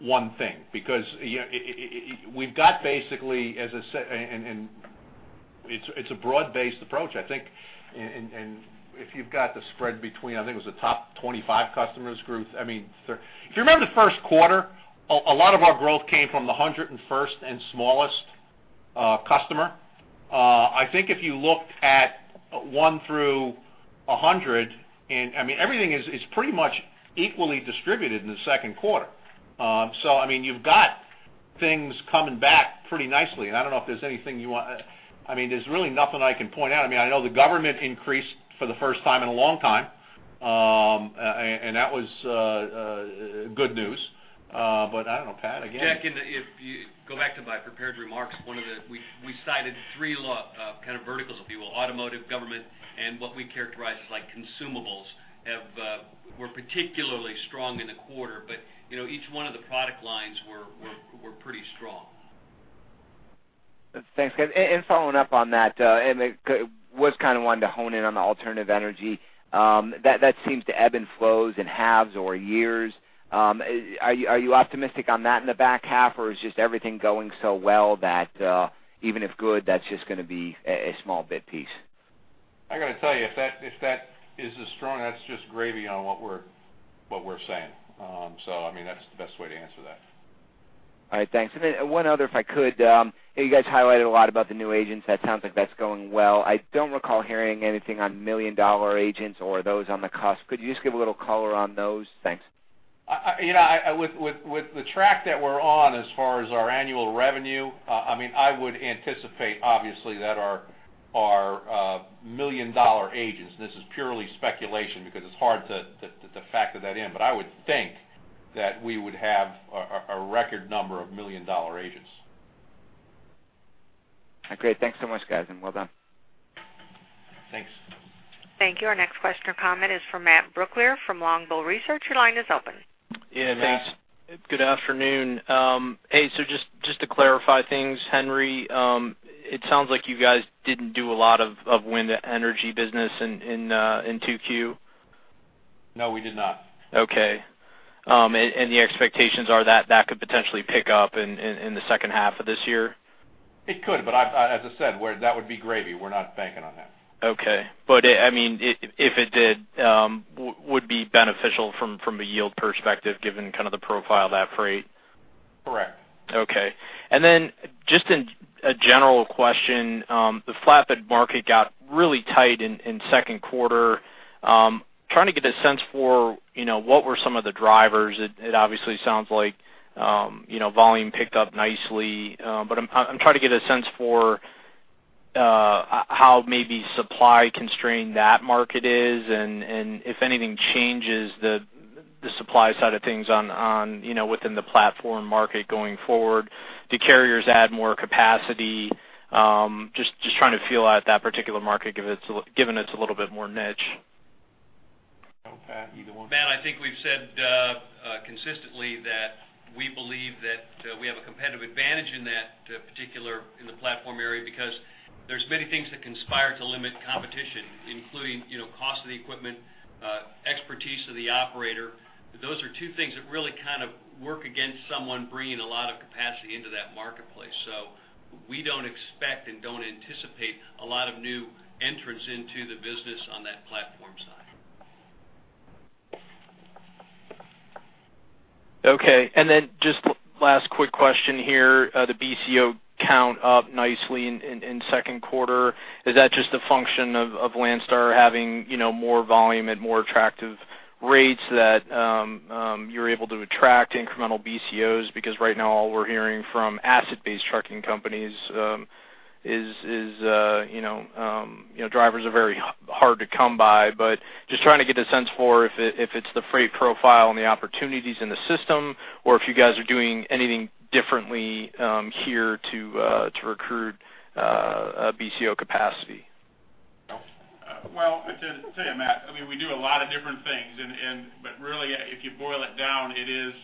one thing because we've got basically, as I said, and it's a broad-based approach, I think. And if you've got the spread between, I think it was the top 25 customers group. I mean, if you remember the Q1, a lot of our growth came from the 101st and smallest customer. I think if you looked at 1 through 100, I mean, everything is pretty much equally distributed in the Q2. So I mean, you've got things coming back pretty nicely. And I don't know if there's anything you want. I mean, there's really nothing I can point out. I mean, I know the government increased for the first time in a long time, and that was good news. But I don't know, Pat, again? Jack, and if you go back to my prepared remarks, one of the, we cited three kind of verticals, if you will, automotive, government, and what we characterize as consumables were particularly strong in the quarter. But each one of the product lines were pretty strong. Thanks, guys. And following up on that, I was kind of wanting to hone in on the alternative energy. That seems to ebb and flow in halves or years. Are you optimistic on that in the back half, or is just everything going so well that even if good, that's just going to be a small bit piece? I got to tell you, if that is as strong, that's just gravy on what we're saying. I mean, that's the best way to answer that. All right. Thanks. And then one other, if I could. You guys highlighted a lot about the new agents. That sounds like that's going well. I don't recall hearing anything on million-dollar agents or those on the cost. Could you just give a little color on those? Thanks. With the track that we're on as far as our annual revenue, I mean, I would anticipate, obviously, that our million-dollar agents, and this is purely speculation because it's hard to factor that in, but I would think that we would have a record number of million-dollar agents. Great. Thanks so much, guys, and well done. Thanks. Thank you. Our next question or comment is from Matt Brooklier from Longbow Research. Your line is open. Yeah. Thanks. Good afternoon. Hey, so just to clarify things, Henry, it sounds like you guys didn't do a lot of wind energy business in 2Q? No, we did not. Okay. And the expectations are that that could potentially pick up in the second half of this year? It could, but as I said, that would be gravy. We're not banking on that. Okay. But I mean, if it did, would be beneficial from a yield perspective given kind of the profile of that freight? Correct. Okay. And then just a general question, the flatbed market got really tight in Q2. Trying to get a sense for what were some of the drivers. It obviously sounds like volume picked up nicely. But I'm trying to get a sense for how maybe supply constrained that market is, and if anything changes, the supply side of things within the platform market going forward. Do carriers add more capacity? Just trying to feel out that particular market given it's a little bit more niche. No, Pat, either one. Matt, I think we've said consistently that we believe that we have a competitive advantage in that particular, in the platform area because there's many things that conspire to limit competition, including cost of the equipment, expertise of the operator. Those are two things that really kind of work against someone bringing a lot of capacity into that marketplace. So we don't expect and don't anticipate a lot of new entrants into the business on that platform side. Okay. And then just last quick question here. The BCO count up nicely in Q2. Is that just a function of Landstar having more volume at more attractive rates that you're able to attract incremental BCOs? Because right now, all we're hearing from asset-based trucking companies is drivers are very hard to come by. But just trying to get a sense for if it's the freight profile and the opportunities in the system, or if you guys are doing anything differently here to recruit BCO capacity. Well, I'll tell you, Matt. I mean, we do a lot of different things. But really, if you boil it down, it is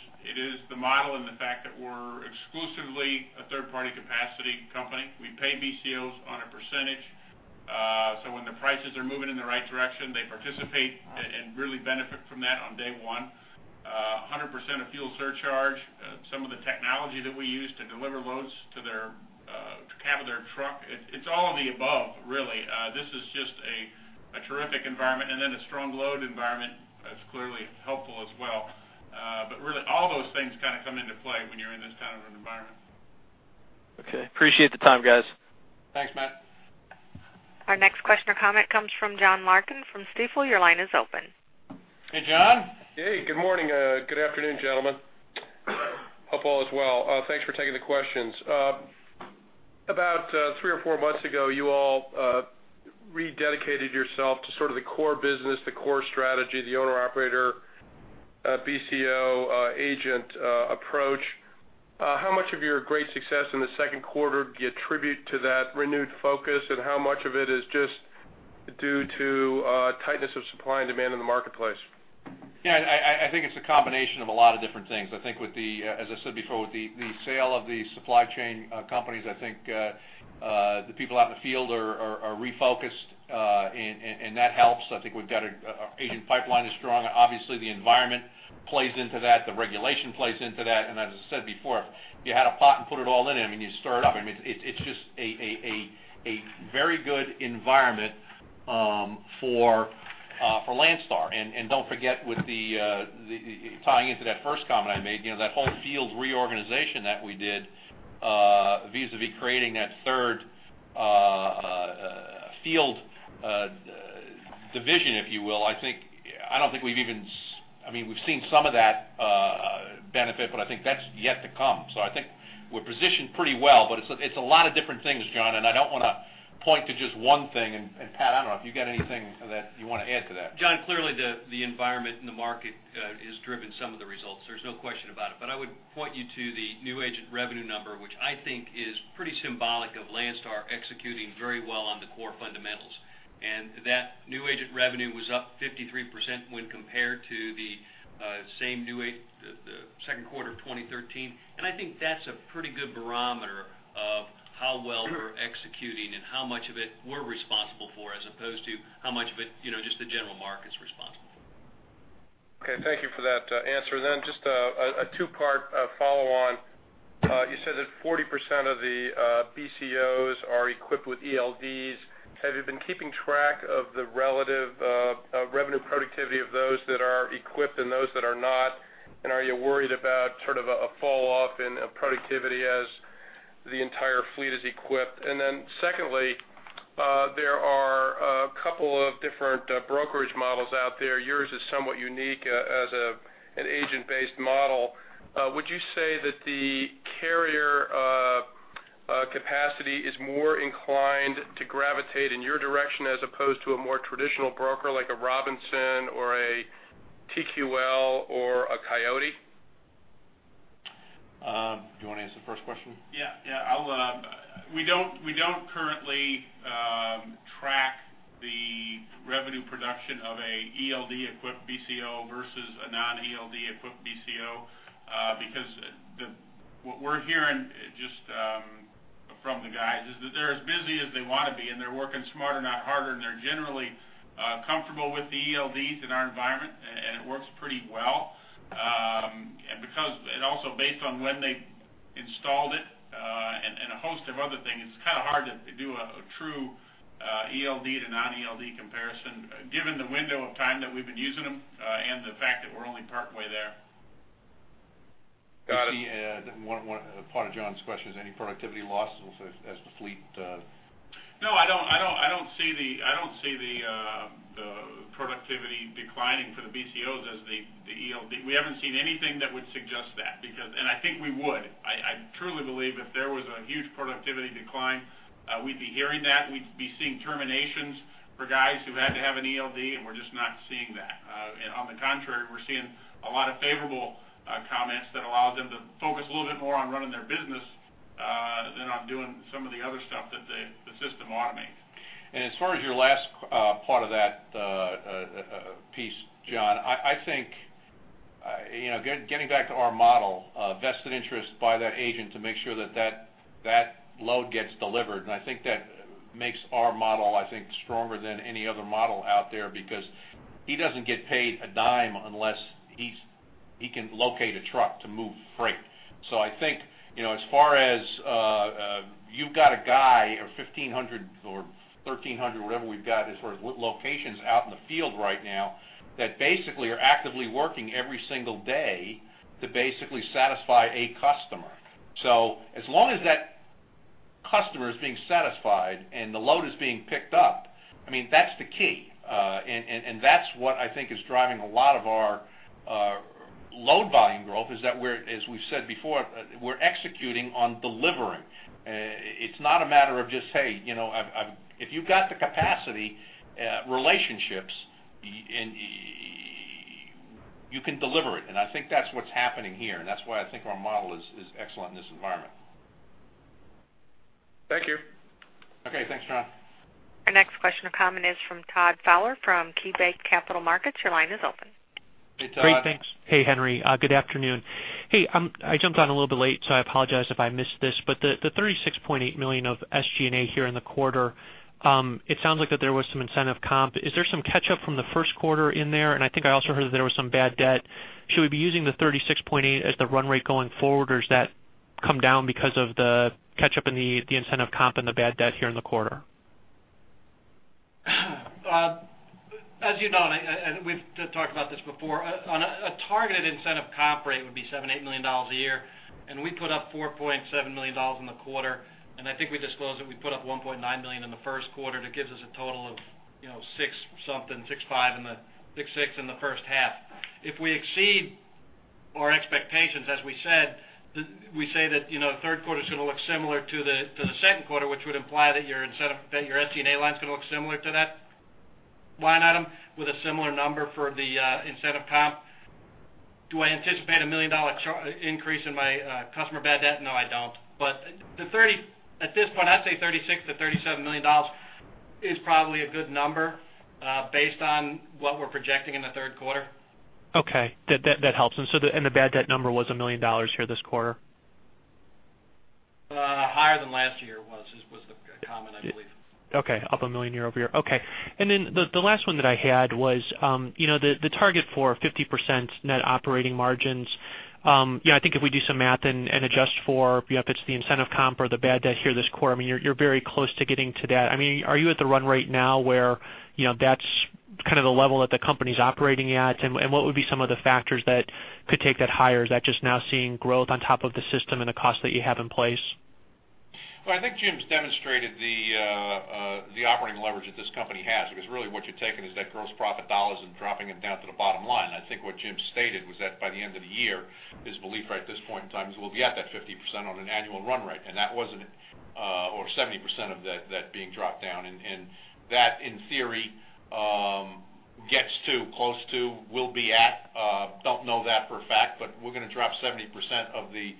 the model and the fact that we're exclusively a third-party capacity company. We pay BCOs on a percentage. So when the prices are moving in the right direction, they participate and really benefit from that on day one. 100% of fuel surcharge, some of the technology that we use to deliver loads to the cab of their truck, it's all of the above, really. This is just a terrific environment. And then a strong load environment is clearly helpful as well. But really, all those things kind of come into play when you're in this kind of an environment. Okay. Appreciate the time, guys. Thanks, Matt. Our next question or comment comes from John Larkin from Stifel. Your line is open. Hey, John. Hey. Good morning. Good afternoon, gentlemen. Hope all is well. Thanks for taking the questions. About three or four months ago, you all rededicated yourself to sort of the core business, the core strategy, the owner-operator BCO agent approach. How much of your great success in the Q2 do you attribute to that renewed focus, and how much of it is just due to tightness of supply and demand in the marketplace? Yeah. I think it's a combination of a lot of different things. I think, as I said before, with the sale of the supply chain companies, I think the people out in the field are refocused, and that helps. I think we've got our agent pipeline is strong. Obviously, the environment plays into that. The regulation plays into that. And as I said before, if you had a pot and put it all in, I mean, you stir it up. I mean, it's just a very good environment for Landstar. And don't forget, tying into that first comment I made, that whole field reorganization that we did vis-à-vis creating that third field division, if you will, I don't think we've even—I mean, we've seen some of that benefit, but I think that's yet to come. I think we're positioned pretty well, but it's a lot of different things, John, and I don't want to point to just one thing. Pat, I don't know if you've got anything that you want to add to that. John, clearly, the environment in the market has driven some of the results. There's no question about it. But I would point you to the new agent revenue number, which I think is pretty symbolic of Landstar executing very well on the core fundamentals. And that new agent revenue was up 53% when compared to the same Q2 of 2013. And I think that's a pretty good barometer of how well we're executing and how much of it we're responsible for as opposed to how much of it just the general market's responsible for. Okay. Thank you for that answer. Then just a two-part follow-on. You said that 40% of the BCOs are equipped with ELDs. Have you been keeping track of the relative revenue productivity of those that are equipped and those that are not? And are you worried about sort of a falloff in productivity as the entire fleet is equipped? And then secondly, there are a couple of different brokerage models out there. Yours is somewhat unique as an agent-based model. Would you say that the carrier capacity is more inclined to gravitate in your direction as opposed to a more traditional broker like a Robinson or a TQL or a Coyote? Do you want to answer the first question? Yeah. Yeah. We don't currently track the revenue production of an ELD-equipped BCO versus a non-ELD-equipped BCO because what we're hearing just from the guys is that they're as busy as they want to be, and they're working smarter, not harder, and they're generally comfortable with the ELDs in our environment, and it works pretty well. And also based on when they installed it and a host of other things, it's kind of hard to do a true ELD to non-ELD comparison given the window of time that we've been using them and the fact that we're only partway there. Got it. Part of John's question is, any productivity losses as the fleet? No, I don't see the productivity declining for the BCOs as the ELD. We haven't seen anything that would suggest that, and I think we would. I truly believe if there was a huge productivity decline, we'd be hearing that. We'd be seeing terminations for guys who had to have an ELD, and we're just not seeing that. On the contrary, we're seeing a lot of favorable comments that allow them to focus a little bit more on running their business than on doing some of the other stuff that the system automates. And as far as your last part of that piece, John, I think getting back to our model, vested interest by that agent to make sure that that load gets delivered. And I think that makes our model, I think, stronger than any other model out there because he doesn't get paid a dime unless he can locate a truck to move freight. So I think as far as you've got a guy or 1,500 or 1,300, whatever we've got as far as locations out in the field right now that basically are actively working every single day to basically satisfy a customer. So as long as that customer is being satisfied and the load is being picked up, I mean, that's the key. And that's what I think is driving a lot of our load volume growth is that we're, as we've said before, we're executing on delivering. It's not a matter of just, "Hey, if you've got the capacity relationships, you can deliver it." I think that's what's happening here. That's why I think our model is excellent in this environment. Thank you. Okay. Thanks, John. Our next question or comment is from Todd Fowler from KeyBanc Capital Markets. Your line is open. Hey, Todd. Great. Thanks. Hey, Henry. Good afternoon. Hey, I jumped on a little bit late, so I apologize if I missed this. But the $36.8 million of SG&A here in the quarter, it sounds like that there was some incentive comp. Is there some catch-up from the Q1 in there? And I think I also heard that there was some bad debt. Should we be using the $36.8 million as the run rate going forward, or does that come down because of the catch-up in the incentive comp and the bad debt here in the quarter? As you know, and we've talked about this before, a targeted incentive comp rate would be $7-$8 million a year. We put up $4.7 million in the quarter. I think we disclosed that we put up $1.9 million in the Q1. That gives us a total of 6-something, 6.5, 6.6 in the first half. If we exceed our expectations, as we said, we say that the Q2 is going to look similar to the Q2, which would imply that your SG&A line is going to look similar to that line item with a similar number for the incentive comp. Do I anticipate a $1 million increase in my customer bad debt? No, I don't. But at this point, I'd say $36-$37 million is probably a good number based on what we're projecting in the Q2. Okay. That helps. And the bad debt number was $1 million here this quarter? Higher than last year was the comment, I believe. Okay. Up $1 million year-over-year. Okay. And then the last one that I had was the target for 50% net operating margins. I think if we do some math and adjust for if it's the incentive comp or the bad debt here this quarter, I mean, you're very close to getting to that. I mean, are you at the run rate now where that's kind of the level that the company's operating at? And what would be some of the factors that could take that higher? Is that just now seeing growth on top of the system and the cost that you have in place? Well, I think Jim's demonstrated the operating leverage that this company has. Because really, what you're taking is that gross profit dollars and dropping them down to the bottom line. I think what Jim stated was that by the end of the year, his belief right at this point in time is we'll be at that 50% on an annual run rate. And that was 70% of that being dropped down. And that, in theory, gets close to, will be at. Don't know that for a fact, but we're going to drop 70% of the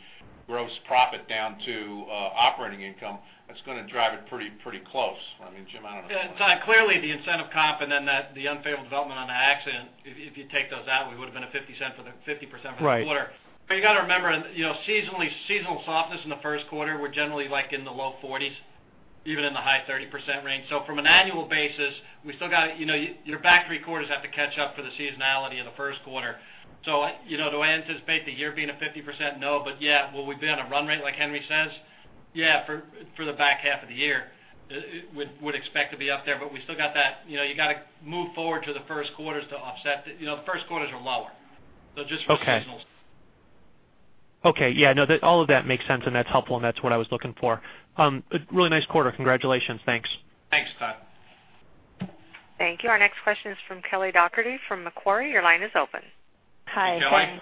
gross profit down to operating income. That's going to drive it pretty close. I mean, Jim, I don't know. Todd, clearly, the incentive comp and then the unfavorable development on the accident, if you take those out, we would have been at 50% for the quarter. Right. But you got to remember, seasonal softness in the Q1, we're generally in the low 40s, even in the high 30% range. So from an annual basis, we still got to, your back three quarters have to catch up for the seasonality of the Q1. So do I anticipate the year being at 50%? No. But yeah, will we be on a run rate, like Henry says? Yeah, for the back half of the year, would expect to be up there. But we still got that, you got to move forward to the Q1s to offset the, the Q1s are lower. So just for seasonal. Okay. Yeah. No, all of that makes sense, and that's helpful, and that's what I was looking for. Really nice quarter. Congratulations. Thanks. Thanks, Todd. Thank you. Our next question is from Kelly Dougherty from Macquarie. Your line is open. Hi, Kelly.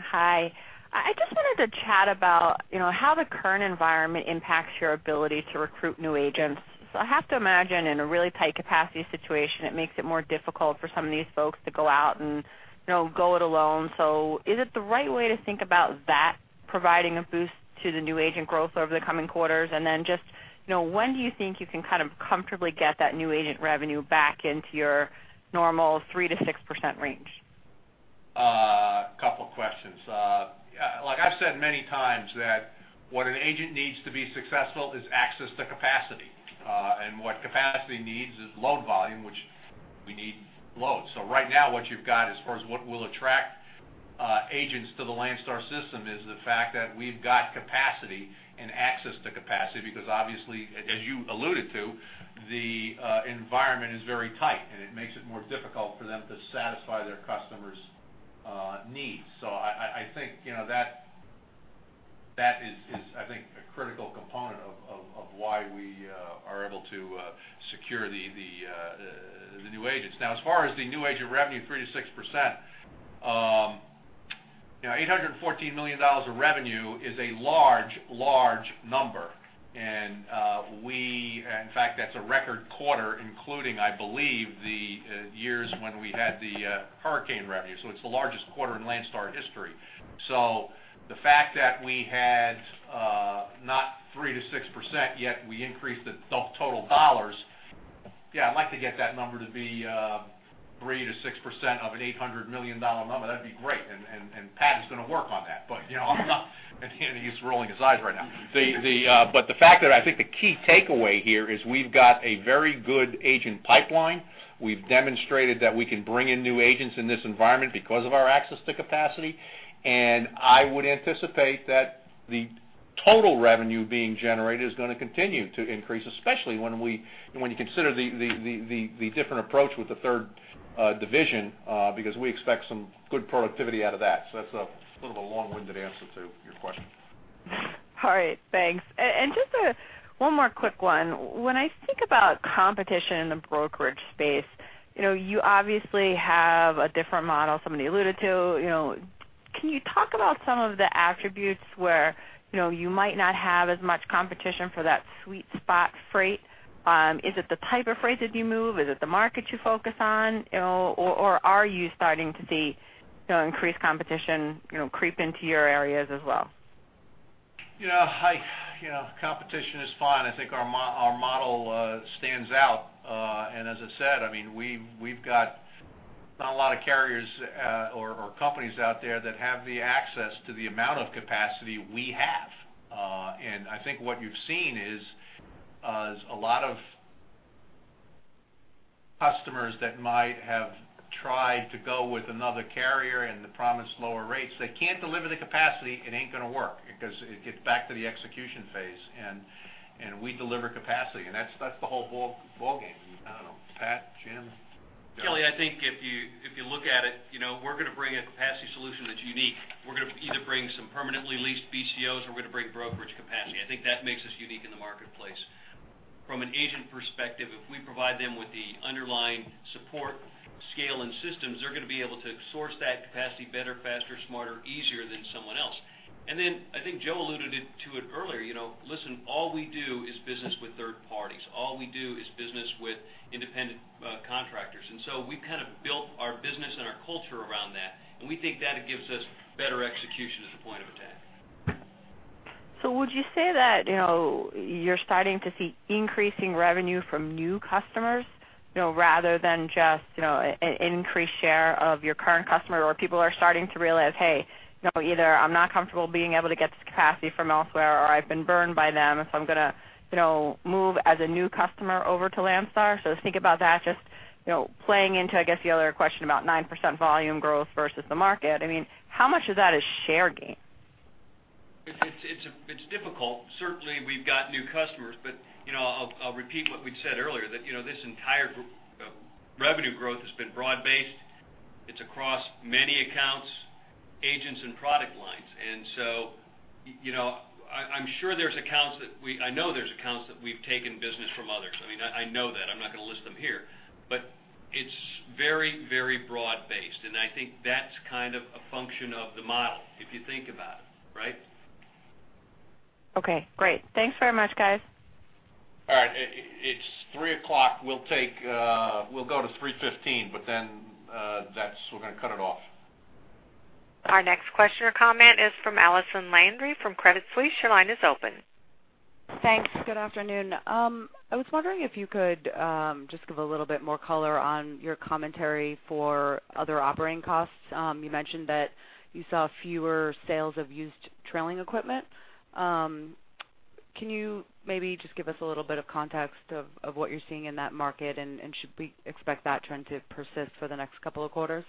Hi. I just wanted to chat about how the current environment impacts your ability to recruit new agents. So I have to imagine in a really tight capacity situation, it makes it more difficult for some of these folks to go out and go it alone. So is it the right way to think about that, providing a boost to the new agent growth over the coming quarters? And then just when do you think you can kind of comfortably get that new agent revenue back into your normal 3%-6% range? A couple of questions. Like I've said many times, that what an agent needs to be successful is access to capacity. And what capacity needs is load volume, which we need loads. So right now, what you've got as far as what will attract agents to the Landstar System is the fact that we've got capacity and access to capacity because, obviously, as you alluded to, the environment is very tight, and it makes it more difficult for them to satisfy their customer's needs. So I think that is, I think, a critical component of why we are able to secure the new agents. Now, as far as the new agent revenue, 3%-6%, $814 million of revenue is a large, large number. And in fact, that's a record quarter, including, I believe, the years when we had the hurricane revenue. So it's the largest quarter in Landstar history. So the fact that we had not 3%-6%, yet we increased the total dollars. Yeah, I'd like to get that number to be 3%-6% of an $800 million number. That'd be great. And Pat is going to work on that. But I'm not, and he's rolling his eyes right now. But the fact that I think the key takeaway here is we've got a very good agent pipeline. We've demonstrated that we can bring in new agents in this environment because of our access to capacity. And I would anticipate that the total revenue being generated is going to continue to increase, especially when you consider the different approach with the third division because we expect some good productivity out of that. So that's a bit of a long-winded answer to your question. All right. Thanks. Just one more quick one. When I think about competition in the brokerage space, you obviously have a different model some of you alluded to. Can you talk about some of the attributes where you might not have as much competition for that sweet spot freight? Is it the type of freight that you move? Is it the market you focus on? Or are you starting to see increased competition creep into your areas as well? Yeah. Competition is fine. I think our model stands out. And as I said, I mean, we've got not a lot of carriers or companies out there that have the access to the amount of capacity we have. And I think what you've seen is a lot of customers that might have tried to go with another carrier and the promised lower rates. They can't deliver the capacity. It ain't going to work because it gets back to the execution phase. And we deliver capacity. And that's the whole ballgame. I don't know. Pat, Jim? Kelly, I think if you look at it, we're going to bring a capacity solution that's unique. We're going to either bring some permanently leased BCOs, or we're going to bring brokerage capacity. I think that makes us unique in the marketplace. From an agent perspective, if we provide them with the underlying support, scale, and systems, they're going to be able to source that capacity better, faster, smarter, easier than someone else. And then I think Joe alluded to it earlier. Listen, all we do is business with third parties. All we do is business with independent contractors. And so we've kind of built our business and our culture around that. And we think that it gives us better execution as a point of attack. So would you say that you're starting to see increasing revenue from new customers rather than just an increased share of your current customer? Or people are starting to realize, "Hey, either I'm not comfortable being able to get this capacity from elsewhere, or I've been burned by them, so I'm going to move as a new customer over to Landstar"? So think about that. Just playing into, I guess, the other question about 9% volume growth versus the market. I mean, how much of that is share gain? It's difficult. Certainly, we've got new customers. But I'll repeat what we'd said earlier, that this entire revenue growth has been broad-based. It's across many accounts, agents, and product lines. And so I'm sure there's accounts that we—I know there's accounts that we've taken business from others. I mean, I know that. I'm not going to list them here. But it's very, very broad-based. And I think that's kind of a function of the model, if you think about it, right? Okay. Great. Thanks very much, guys. All right. It's 3:00 P.M. We'll go to 3:15 P.M., but then we're going to cut it off. Our next question or comment is from Allison Landry from Credit Suisse. Your line is open. Thanks. Good afternoon. I was wondering if you could just give a little bit more color on your commentary for other operating costs. You mentioned that you saw fewer sales of used trailing equipment. Can you maybe just give us a little bit of context of what you're seeing in that market, and should we expect that trend to persist for the next couple of quarters?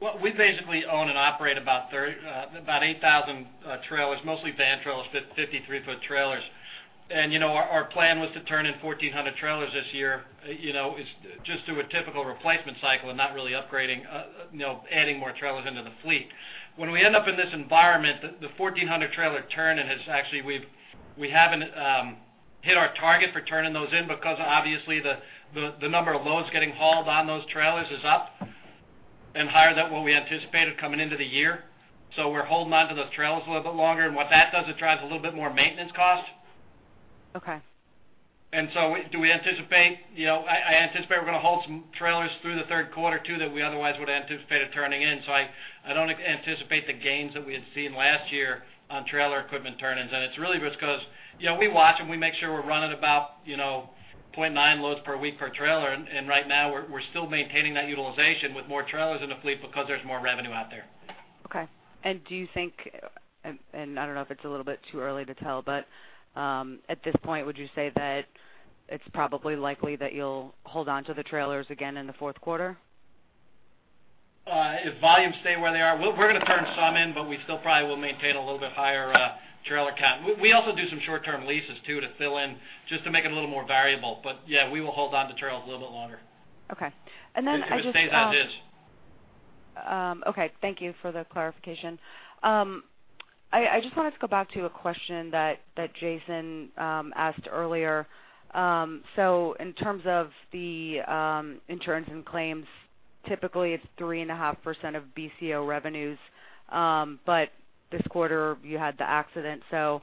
Well, we basically own and operate about 8,000 trailers, mostly van trailers, 53-foot trailers. Our plan was to turn in 1,400 trailers this year just through a typical replacement cycle and not really adding more trailers into the fleet. When we end up in this environment, the 1,400 trailer turn-in has actually, we haven't hit our target for turning those in because, obviously, the number of loads getting hauled on those trailers is up and higher than what we anticipated coming into the year. So we're holding onto those trailers a little bit longer. What that does, it drives a little bit more maintenance cost. And so do we anticipate, I anticipate we're going to hold some trailers through the Q2 too that we otherwise would anticipate turning in. I don't anticipate the gains that we had seen last year on trailer equipment turn-ins. It's really just because we watch them. We make sure we're running about 0.9 loads per week per trailer. Right now, we're still maintaining that utilization with more trailers in the fleet because there's more revenue out there. Okay. Do you think—and I don't know if it's a little bit too early to tell—but at this point, would you say that it's probably likely that you'll hold onto the trailers again in the Q2? If volumes stay where they are, we're going to turn some in, but we still probably will maintain a little bit higher trailer count. We also do some short-term leases too to fill in just to make it a little more variable. But yeah, we will hold onto trailers a little bit longer. Okay. And then I just. I think it stays as is. Okay. Thank you for the clarification. I just wanted to go back to a question that Jason asked earlier. So in terms of the insurance and claims, typically, it's 3.5% of BCO revenues. But this quarter, you had the accident. So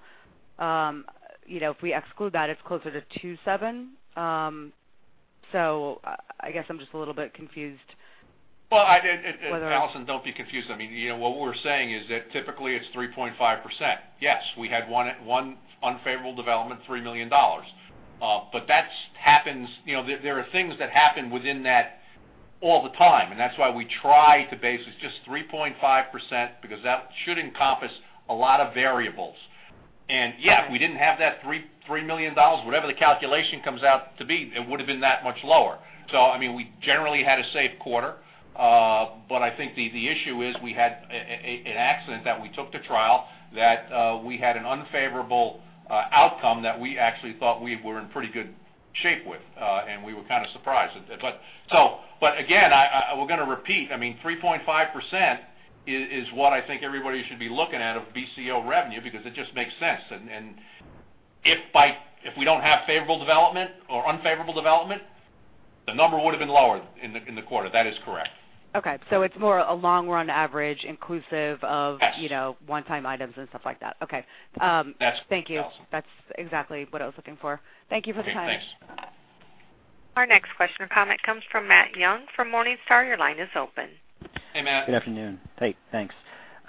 if we exclude that, it's closer to 2.7. So I guess I'm just a little bit confused. Well, Alison, don't be confused. I mean, what we're saying is that typically, it's 3.5%. Yes, we had one unfavorable development, $3 million. But there are things that happen within that all the time. And that's why we try to basically just 3.5% because that should encompass a lot of variables. And yeah, if we didn't have that $3 million, whatever the calculation comes out to be, it would have been that much lower. So I mean, we generally had a safe quarter. But I think the issue is we had an accident that we took to trial that we had an unfavorable outcome that we actually thought we were in pretty good shape with. And we were kind of surprised. But again, we're going to repeat. I mean, 3.5% is what I think everybody should be looking at of BCO revenue because it just makes sense. If we don't have favorable development or unfavorable development, the number would have been lower in the quarter. That is correct. Okay. So it's more a long-run average inclusive of one-time items and stuff like that. Okay. That's awesome. Thank you. That's exactly what I was looking for. Thank you for the time. Thanks. Our next question or comment comes from Matt Young from Morningstar. Your line is open. Hey, Matt. Good afternoon. Hey, thanks.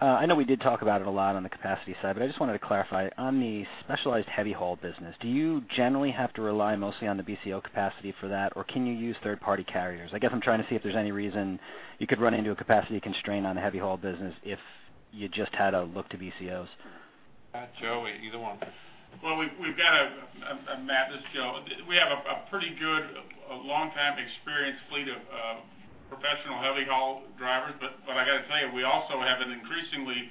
I know we did talk about it a lot on the capacity side, but I just wanted to clarify. On the specialized heavy haul business, do you generally have to rely mostly on the BCO capacity for that, or can you use third-party carriers? I guess I'm trying to see if there's any reason you could run into a capacity constraint on the heavy haul business if you just had to look to BCOs. Matt, Joe, either one. Well, we've got—and Matt, this is Joe—we have a pretty good, long-time experience fleet of professional heavy haul drivers. But I got to tell you, we also have an increasingly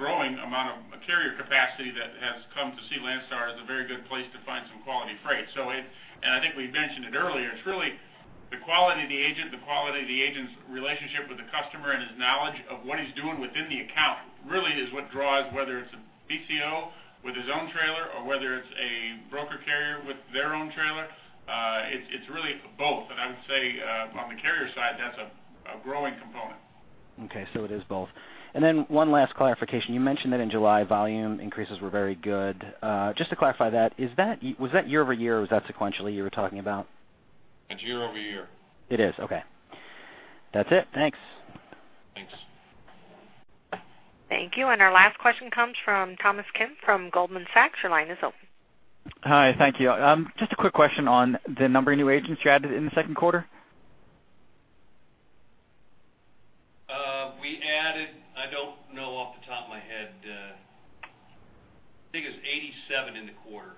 growing amount of carrier capacity that has come to see Landstar as a very good place to find some quality freight. And I think we mentioned it earlier. It's really the quality of the agent, the quality of the agent's relationship with the customer, and his knowledge of what he's doing within the account really is what draws whether it's a BCO with his own trailer or whether it's a broker carrier with their own trailer. It's really both. And I would say on the carrier side, that's a growing component. Okay. So it is both. And then one last clarification. You mentioned that in July, volume increases were very good. Just to clarify that, was that year-over-year or was that sequentially you were talking about? It's year-over-year. It is. Okay. That's it. Thanks. Thanks. Thank you. And our last question comes from Thomas Kim from Goldman Sachs. Your line is open. Hi. Thank you. Just a quick question on the number of new agents you added in the Q2. We added—I don't know off the top of my head—I think it was 87 in the quarter.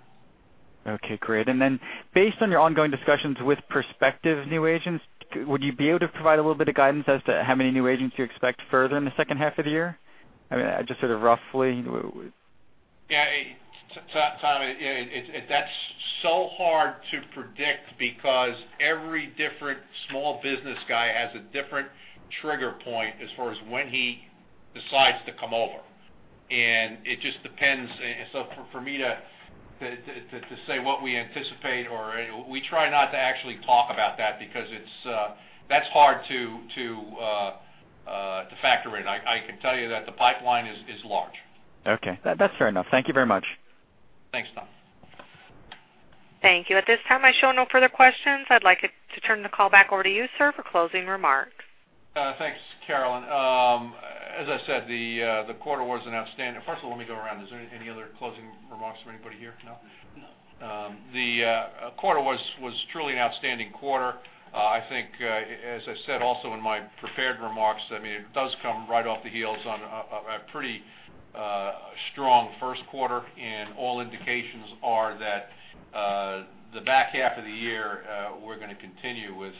Okay. Great. And then based on your ongoing discussions with prospective new agents, would you be able to provide a little bit of guidance as to how many new agents you expect further in the second half of the year? I mean, just sort of roughly. Yeah. Tom, that's so hard to predict because every different small business guy has a different trigger point as far as when he decides to come over. And it just depends. So for me to say what we anticipate or we try not to actually talk about that because that's hard to factor in. I can tell you that the pipeline is large. Okay. That's fair enough. Thank you very much. Thanks, Tom. Thank you. At this time, I show no further questions. I'd like to turn the call back over to you, sir, for closing remarks. Thanks, Carolyn. As I said, the quarter was an outstanding, first of all, let me go around. Is there any other closing remarks from anybody here? No? No. The quarter was truly an outstanding quarter. I think, as I said also in my prepared remarks, I mean, it does come right off the heels on a pretty strong Q1. All indications are that the back half of the year, we're going to continue with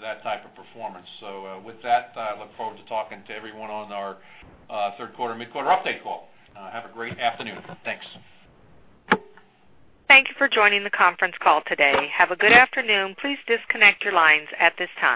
that type of performance. With that, I look forward to talking to everyone on our Q2, mid-quarter update call. Have a great afternoon. Thanks. Thank you for joining the conference call today. Have a good afternoon. Please disconnect your lines at this time.